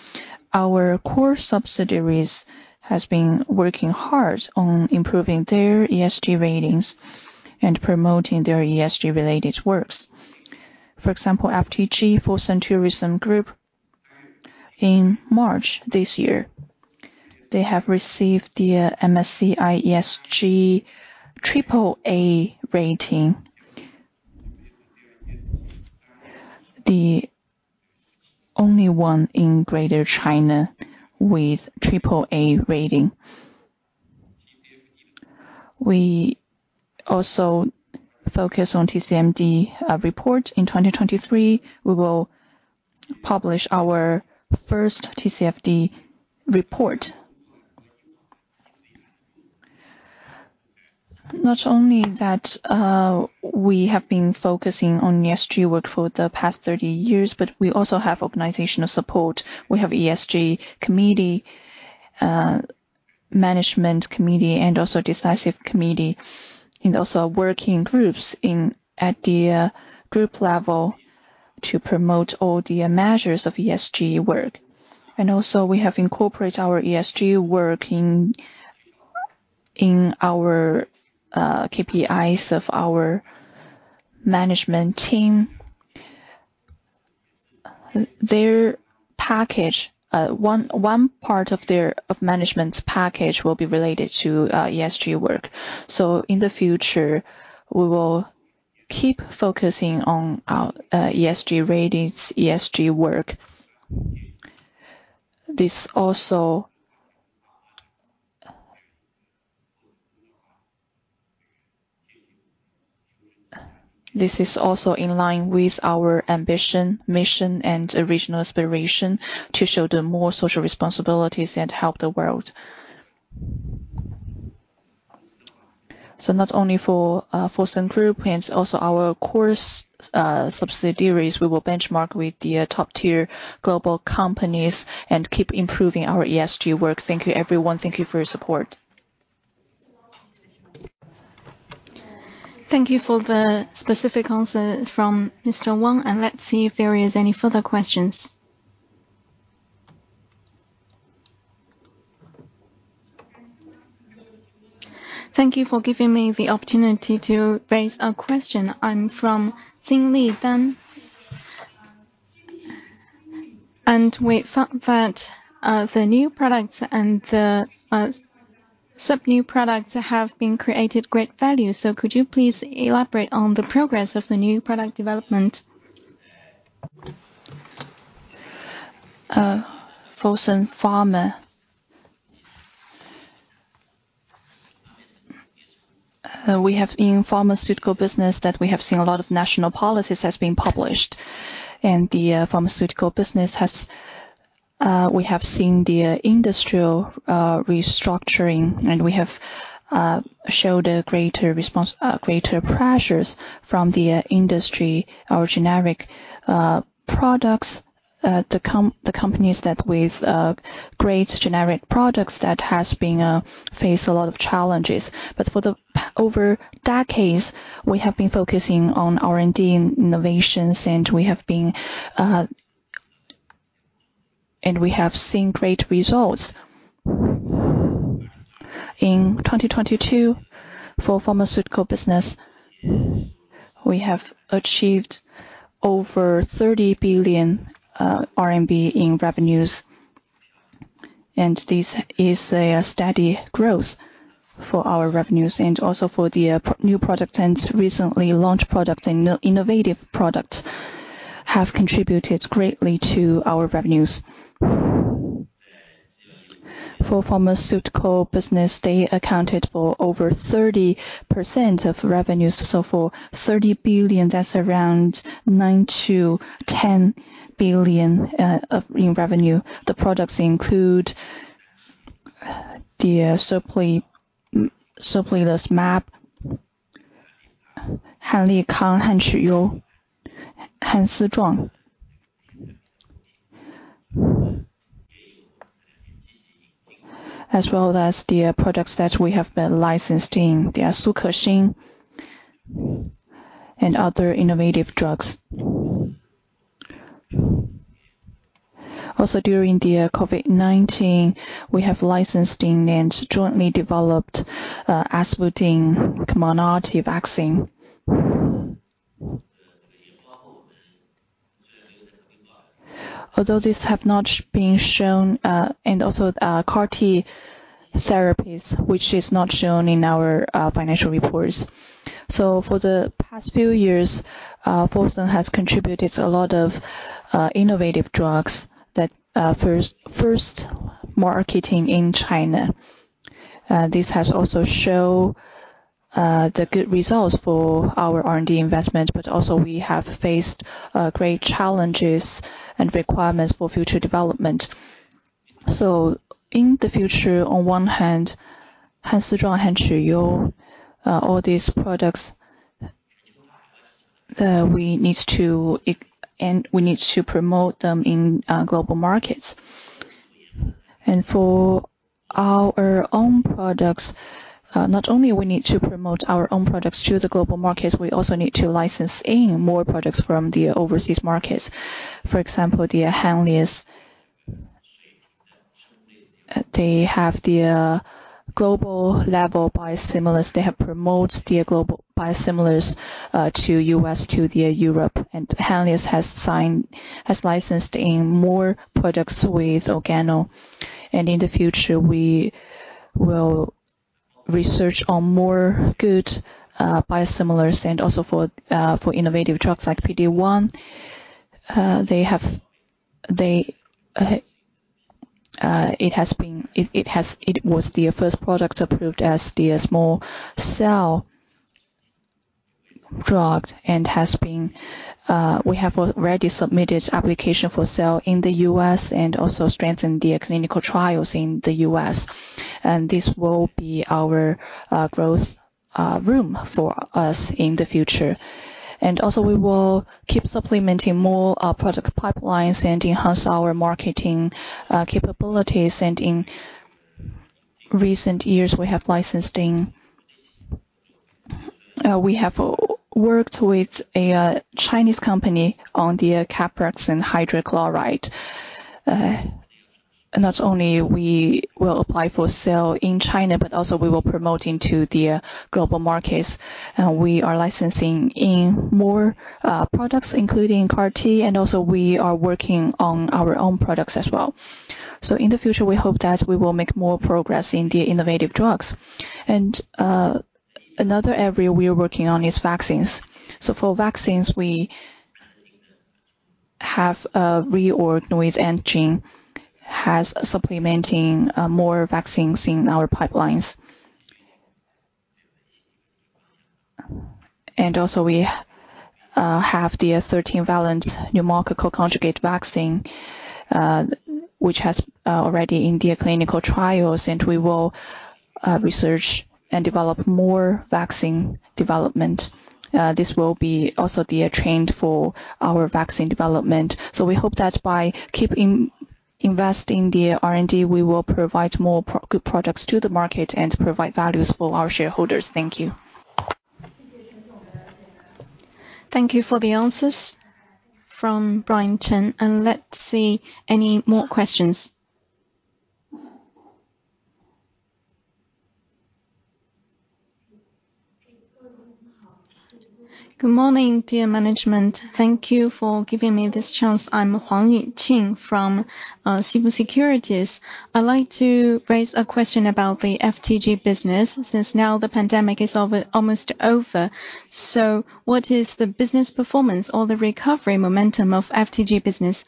our core subsidiaries has been working hard on improving their ESG ratings and promoting their ESG-related works. For example, FTG, Fosun Tourism Group, in March this year, they have received the MSCI ESG triple A rating. The only one in Greater China with triple A rating. We also focus on TCFD report. In 2023, we will publish our first TCFD report. Not only that, we have been focusing on ESG work for the past 30 years, but we also have organizational support. We have ESG committee, management committee, and also decisive committee, and also working groups in... at the group level to promote all the measures of ESG work. We have incorporate our ESG work in our KPIs of our management team. Their package, one part of their, of management package will be related to ESG work. In the future, we will keep focusing on our ESG ratings, ESG work. This is also in line with our ambition, mission, and original aspiration to show the more social responsibilities and help the world. Not only for Fosun Group and also our core subsidiaries, we will benchmark with the top-tier global companies and keep improving our ESG work. Thank you, everyone. Thank you for your support. Thank you for the specific answer from Mr. Wang, and let's see if there are any further questions. Thank you for giving me the opportunity to raise a question. I'm from Deng Xingli. We found that the new products and the sub-new products have been created great value. Could you please elaborate on the progress of the new product development? Fosun Pharma. We have in pharmaceutical business that we have seen a lot of national policies has been published. The pharmaceutical business has, we have seen the industrial restructuring, and we have showed greater pressures from the industry or generic products. The companies that with great generic products that has been face a lot of challenges. For the over decades, we have been focusing on R&D innovations, and we have seen great results. In 2022, for pharmaceutical business, we have achieved over 30 billion RMB in revenues, and this is a steady growth for our revenues and also for the new product and recently launched product and innovative product have contributed greatly to our revenues. Pharmaceutical business, they accounted for over 30% of revenues. For 30 billion, that's around 9 billion-10 billion in revenue. The products include the Serplulimab, HANLIKANG, HANQUYOU, HANSIZHUANG. As well as the products that we have been licensed in, the Azvudine and other innovative drugs. Also, during the COVID-19, we have licensed in and jointly developed Adenovirus Type 5 vaccine. Although these have not been shown, and also CAR T therapies, which is not shown in our financial reports. For the past few years, Fosun has contributed a lot of innovative drugs that first marketing in China. This has also show the good results for our R&D investment, but also we have faced great challenges and requirements for future development. In the future, on one hand, HANSIZHUANG, Henlius, all these products that we need to promote them in global markets. For our own products, not only we need to promote our own products to the global markets, we also need to license in more products from the overseas markets. For example, the Henlius. They have the global level biosimilars. They have promoted their global biosimilars to U.S., to the Europe, and Henlius has licensed in more products with Organon. In the future, we will research on more good biosimilars and also for for innovative drugs like PD-1. They have. It has been. It has. It was their first product approved as the small cell drug. We have already submitted application for sale in the U.S. and also strengthened the clinical trials in the U.S. This will be our growth room for us in the future. Also we will keep supplementing more product pipelines and enhance our marketing capabilities. In recent years, we have licensed in. We have worked with a Chinese company on the Cariprazine hydrochloride. Not only we will apply for sale in China, but also we will promote into the global markets. We are licensing in more products, including CAR T, and also we are working on our own products as well. In the future, we hope that we will make more progress in the innovative drugs. Another area we are working on is vaccines. For vaccines, we have reorged with Antejin, has supplementing more vaccines in our pipelines. Also we have the 13-valent pneumococcal conjugate vaccine, which has already in the clinical trials, and we will research and develop more vaccine development. This will be also the trend for our vaccine development. We hope that by keeping investing the R&D, we will provide more good products to the market and provide values for our shareholders. Thank you. Thank you for the answers from Brian Chen. Let's see, any more questions? Good morning, dear management. Thank you for giving me this chance. I'm Huang Yuqing from Shenwan Hongyuan Securities. I'd like to raise a question about the FTG business, since now the pandemic is over... almost over. What is the business performance or the recovery momentum of FTG business?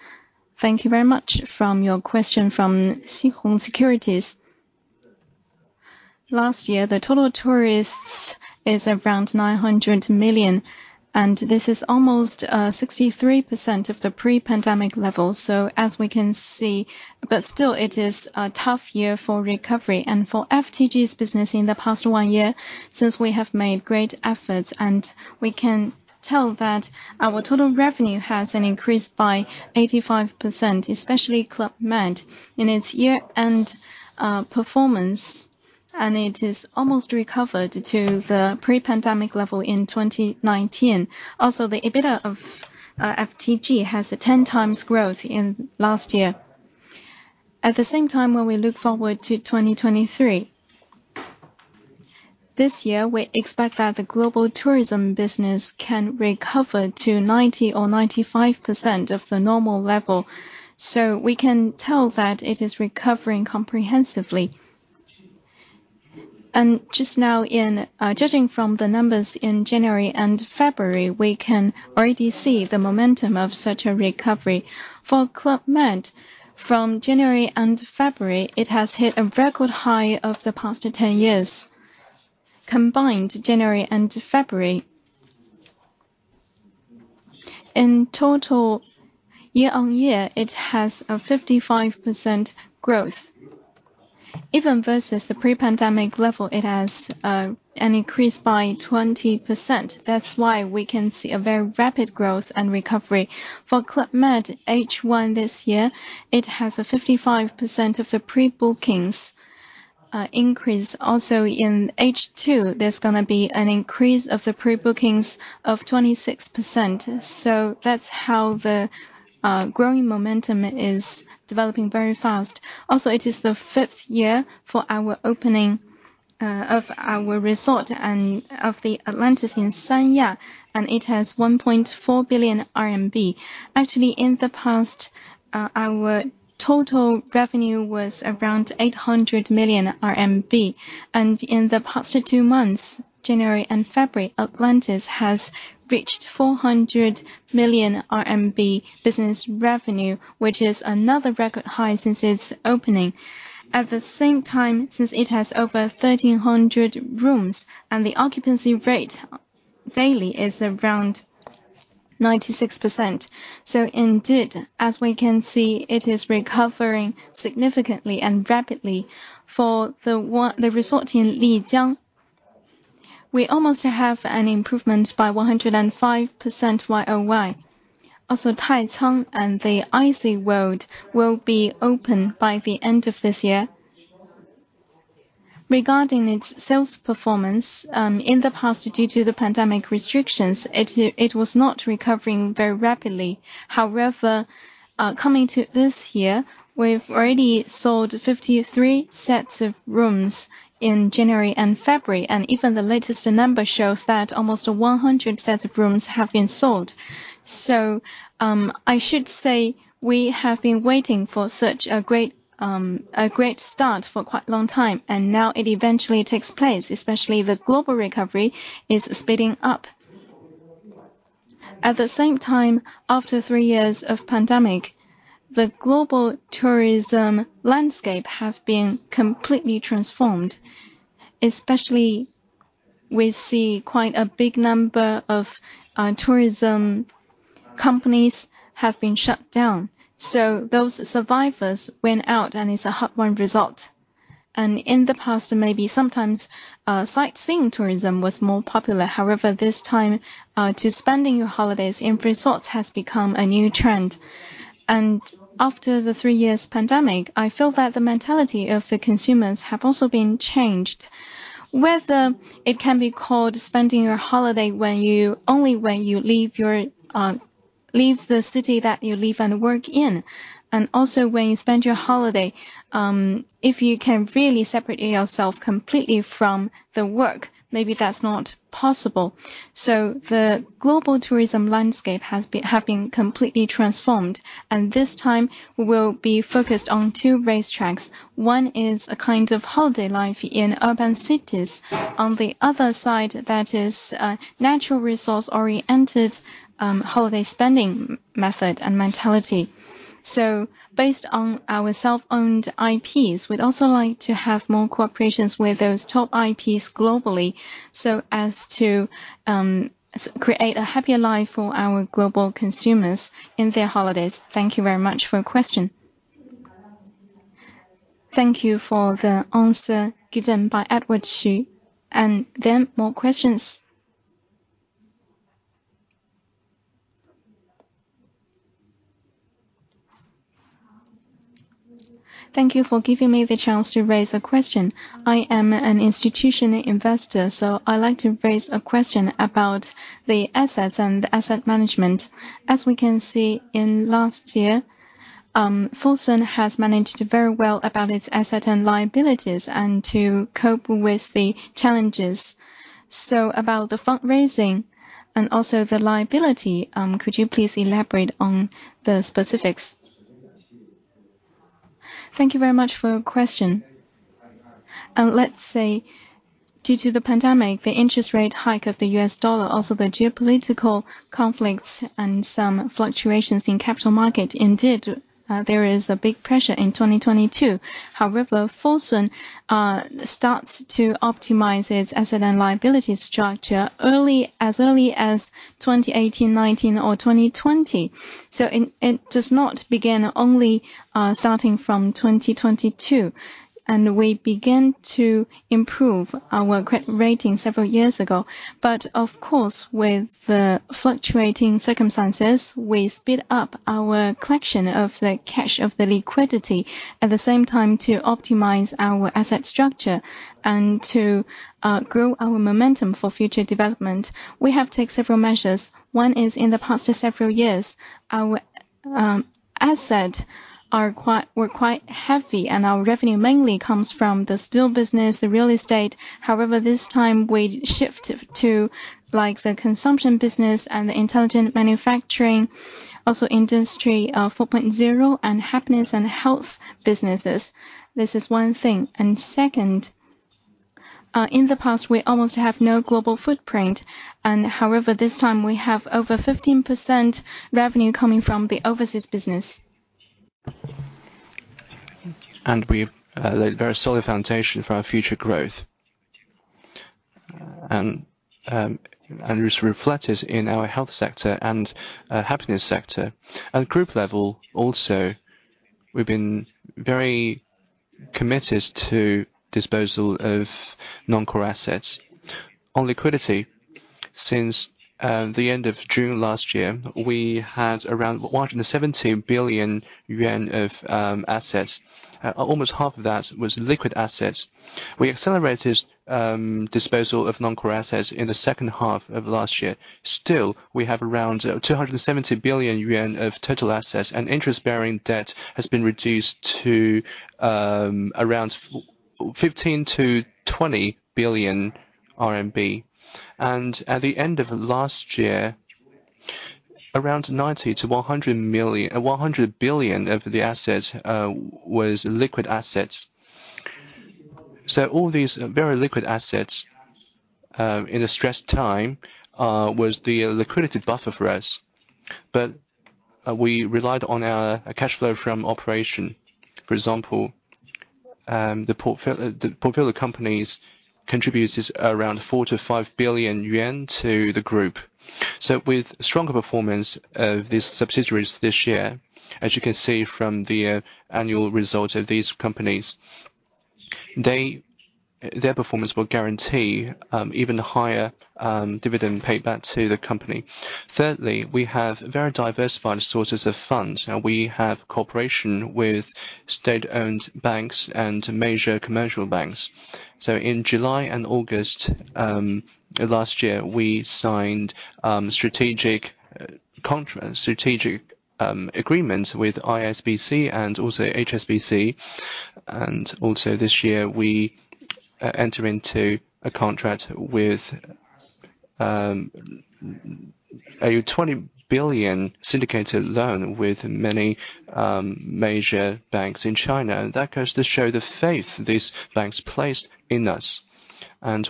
Thank you very much from your question from Xingzheng Securities. Last year, the total tourists is around 900 million, this is almost 63% of the pre-pandemic level. As we can see, still it is a tough year for recovery. For FTG's business in the past one year, since we have made great efforts, we can tell that our total revenue has an increase by 85%, especially Club Med in its year-end performance, it is almost recovered to the pre-pandemic level in 2019. The EBITDA of FTG has a ten times growth in last year. At the same time, when we look forward to 2023, this year we expect that the global tourism business can recover to 90% or 95% of the normal level. We can tell that it is recovering comprehensively. Just now in judging from the numbers in January and February, we can already see the momentum of such a recovery. For Club Med, from January and February, it has hit a record high of the past 10 years. Combined January and February. In total, year-over-year, it has a 55% growth. Even versus the pre-pandemic level, it has an increase by 20%. That's why we can see a very rapid growth and recovery. For Club Med, H1 this year, it has a 55% of the pre-bookings increase. In H2, there's gonna be an increase of the pre-bookings of 26%. That's how the growing momentum is developing very fast. It is the fifth year for our opening of our resort and of the Atlantis in Sanya, and it has 1.4 billion RMB. Actually, in the past, our total revenue was around 800 million RMB. In the past two months, January and February, Atlantis has reached 400 million RMB business revenue, which is another record high since its opening. At the same time, since it has over 1,300 rooms, and the occupancy rate daily is around 96%. Indeed, as we can see, it is recovering significantly and rapidly. For the resort in Lijiang, we almost have an improvement by 105% YOY. Taicang and the Ice World will be open by the end of this year. Regarding its sales performance, in the past, due to the pandemic restrictions, it was not recovering very rapidly. Coming to this year, we've already sold 53 sets of rooms in January and February, and even the latest number shows that almost 100 sets of rooms have been sold. I should say we have been waiting for such a great, a great start for quite a long time, and now it eventually takes place, especially the global recovery is speeding up. At the same time, after 3 years of pandemic, the global tourism landscape have been completely transformed. Especially, we see quite a big number of tourism companies have been shut down. Those survivors went out and it's a had-wone result. In the past, maybe sometimes, sightseeing tourism was more popular. However, this time, to spending your holidays in resorts has become a new trend. After the 3 years pandemic, I feel that the mentality of the consumers have also been changed. Whether it can be called spending your holiday only when you leave your city that you live and work in. When you spend your holiday, if you can really separate yourself completely from the work, maybe that's not possible. The global tourism landscape has been completely transformed, and this time we'll be focused on 2 racetracks. One is a kind of holiday life in urban cities. On the other side, that is, natural resource oriented holiday spending method and mentality. Based on our self-owned IPs, we'd also like to have more cooperations with those top IPs globally, so as to create a happier life for our global consumers in their holidays. Thank you very much for your question. Thank you for the answer given by Edward Xu. More questions. Thank you for giving me the chance to raise a question. I am an institutional investor, so I'd like to raise a question about the assets and the asset management. As we can see in last year, Fosun has managed very well about its asset and liabilities and to cope with the challenges. About the fundraising and also the liability, could you please elaborate on the specifics? Thank you very much for your question. Let's say, due to the pandemic, the interest rate hike of the U.S. dollar, also the geopolitical conflicts and some fluctuations in capital market, indeed, there is a big pressure in 2022. However, Fosun starts to optimize its asset and liability structure early, as early as 2018, 2019 or 2020. It does not begin only starting from 2022. We began to improve our credit rating several years ago. Of course, with the fluctuating circumstances, we speed up our collection of the cash, of the liquidity. At the same time, to optimize our asset structure and to grow our momentum for future development. We have take several measures. One is in the past several years, our asset were quite heavy, and our revenue mainly comes from the steel business, the real estate. This time we shift to, like, the consumption business and the Intelligent Manufacturing Also Industry 4.0 and Happiness and Health businesses. This is one thing. Second, in the past, we almost have no global footprint and however, this time we have over 15% revenue coming from the overseas business. We've laid very solid foundation for our future growth. It's reflected in our health sector and happiness sector. At group level also, we've been very committed to disposal of non-core assets. On liquidity, since the end of June last year, we had around 117 billion yuan of assets. Almost half of that was liquid assets. We accelerated disposal of non-core assets in the second half of last year. Still, we have around 270 billion yuan of total assets and interest-bearing debt has been reduced to around 15 billion-20 billion RMB. At the end of last year, around 90 billion–100 billion of the assets was liquid assets. All these very liquid assets, in a stressed time, was the liquidity buffer for us. We relied on our cash flow from operation. For example, the portfolio companies contributes around 4 billion-5 billion yuan to the group. With stronger performance of these subsidiaries this year, as you can see from the annual results of these companies, their performance will guarantee even higher dividend paid back to the company. Thirdly, we have very diversified sources of funds. Now we have cooperation with state-owned banks and major commercial banks. In July and August, last year, we signed strategic agreements with ICBC and also HSBC. This year we enter into a contract with a 20 billion syndicated loan with many major banks in China. That goes to show the faith these banks placed in us.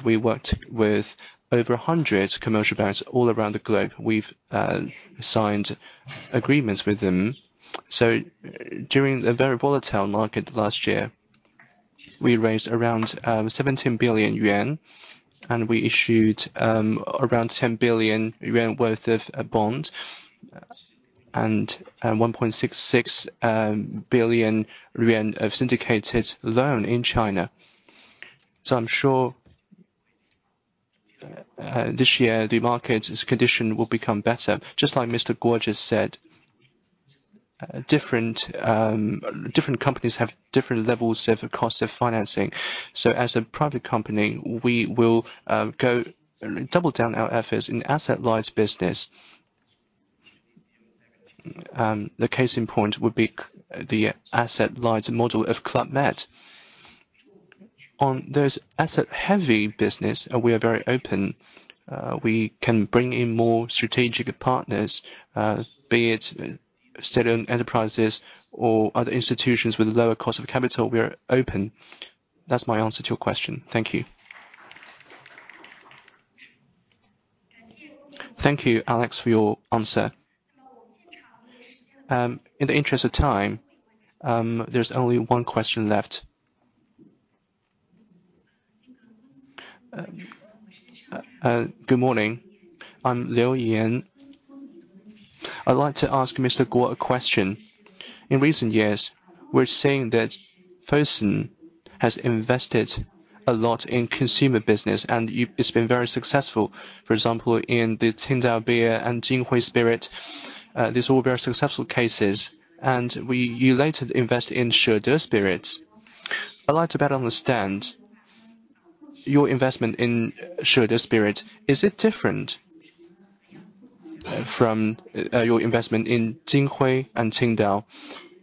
We worked with over 100 commercial banks all around the globe. We've signed agreements with them. During the very volatile market last year, we raised around 17 billion yuan, and we issued around 10 billion yuan worth of bond and 1.66 billion yuan of syndicated loan in China. I'm sure this year the market's condition will become better. Just like Mr. Guo just said, different companies have different levels of cost of financing. As a private company, we will go double down our efforts in asset-light business. The case in point would be the asset-light model of Club Med. On those asset heavy business, we are very open. We can bring in more strategic partners, be it state-owned enterprises or other institutions with lower cost of capital, we are open. That's my answer to your question. Thank you. Thank you, Alex, for your answer. In the interest of time, there's only one question left. Good morning. I'm Liu Yan. I'd like to ask Mr. Guo a question. In recent years, we're seeing that Fosun has invested a lot in consumer business and you. It's been very successful. For example, in the Tsingtao Brewery and Jinhui Liquor, these are all very successful cases. You later invest in Shede Spirits. I'd like to better understand your investment in Shede Spirits. Is it different from your investment in Jinhui and Tsingtao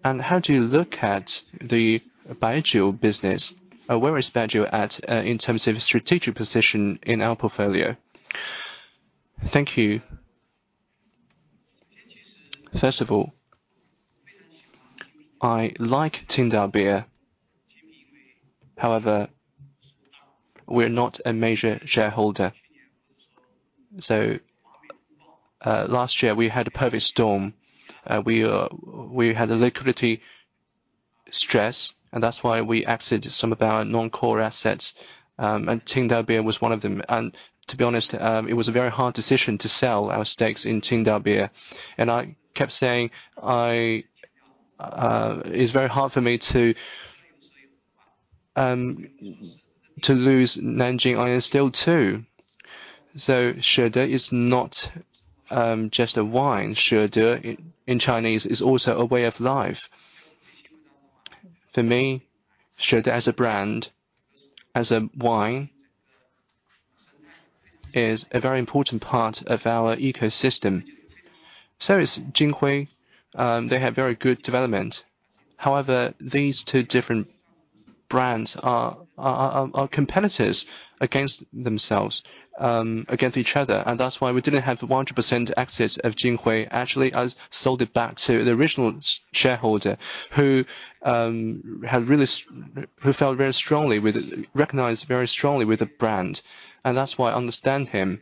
Brewery? How do you look at the Baijiu business? Where is Baijiu at in terms of strategic position in our portfolio? Thank you. First of all, I like Tsingtao Brewery. However, we're not a major shareholder. Last year we had a perfect storm. We had a liquidity stress. That's why we exited some of our non-core assets. Tsingtao Brewery was one of them. To be honest, it was a very hard decision to sell our stakes in Tsingtao Brewery. I kept saying, it's very hard for me to lose Nanjing Iron and Steel too. Shede is not just a wine. Shede in Chinese is also a way of life. For me, Shede as a brand, as a wine, is a very important part of our ecosystem. Is Jinhui. They have very good development. These two different Brands are competitors against themselves, against each other. That's why we didn't have the 100% access of Jinhui. Actually, I sold it back to the original shareholder who felt very strongly with it, recognized very strongly with the brand, that's why I understand him.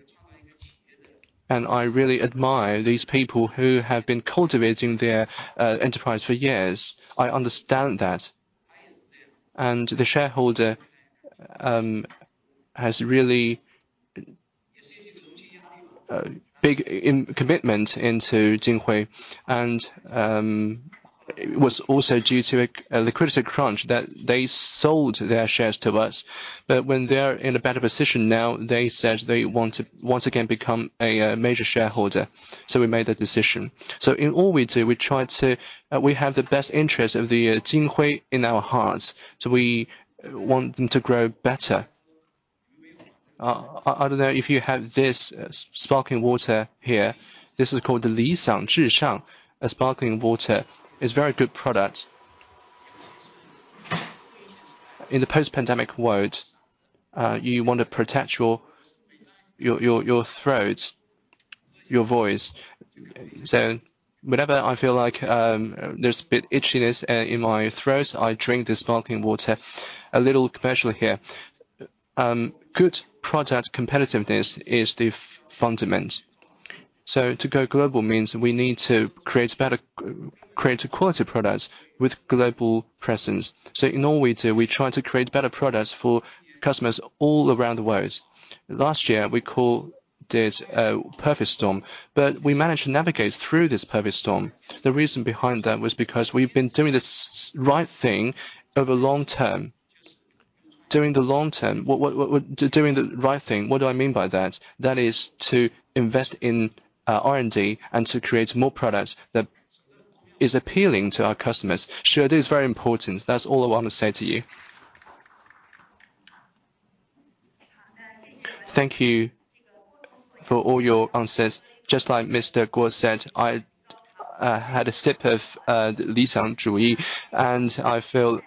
I really admire these people who have been cultivating their enterprise for years. I understand that. The shareholder has really big in commitment into Jinhui. It was also due to a critical crunch that they sold their shares to us. When they're in a better position now, they said they want to once again become a major shareholder, we made that decision. In all we do, we try to... We have the best interest of the Jinhui in our hearts, we want them to grow better. I don't know if you have this sparkling water here. This is called the Li Xiang Zhi Xuan sparkling water. It's a very good product. In the post-pandemic world, you want to protect your throat, your voice. Whenever I feel like, there's a bit itchiness in my throat, I drink this sparkling water. A little commercial here. Good product competitiveness is the fundament. To go global means we need to create a quality product with global presence. In all we do, we try to create better products for customers all around the world. Last year, we call this a perfect storm. We managed to navigate through this perfect storm. The reason behind that was because we've been doing this right thing over long term. Doing the long term, what... Doing the right thing, what do I mean by that? That is to invest in R&D and to create more products that is appealing to our customers. Sure, it is very important. That's all I wanna say to you. Thank you for all your answers. Just like Mr. Guo said, I had a sip of Li Xiang Zhi Xuan, and I feel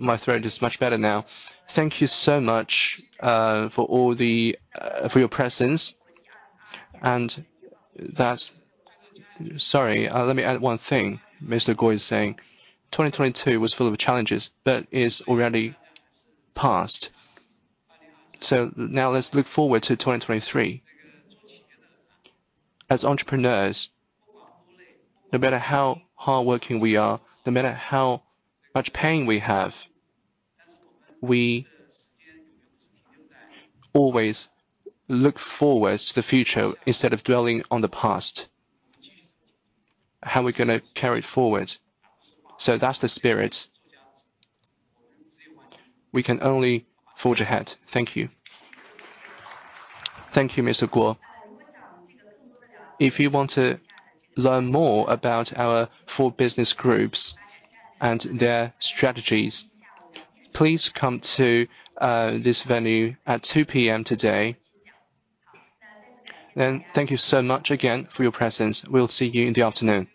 my throat is much better now. Thank you so much for your presence. Let me add one thing. Mr. Guo is saying 2022 was full of challenges, but is already passed. Now let's look forward to 2023. As entrepreneurs, no matter how hardworking we are, no matter how much pain we have, we always look forward to the future instead of dwelling on the past. How we're gonna carry it forward. That's the spirit. We can only forge ahead. Thank you. Thank you, Mr. Guo. If you want to learn more about our four business groups and their strategies, please come to this venue at 2:00 p.m. today. Thank you so much again for your presence. We'll see you in the afternoon.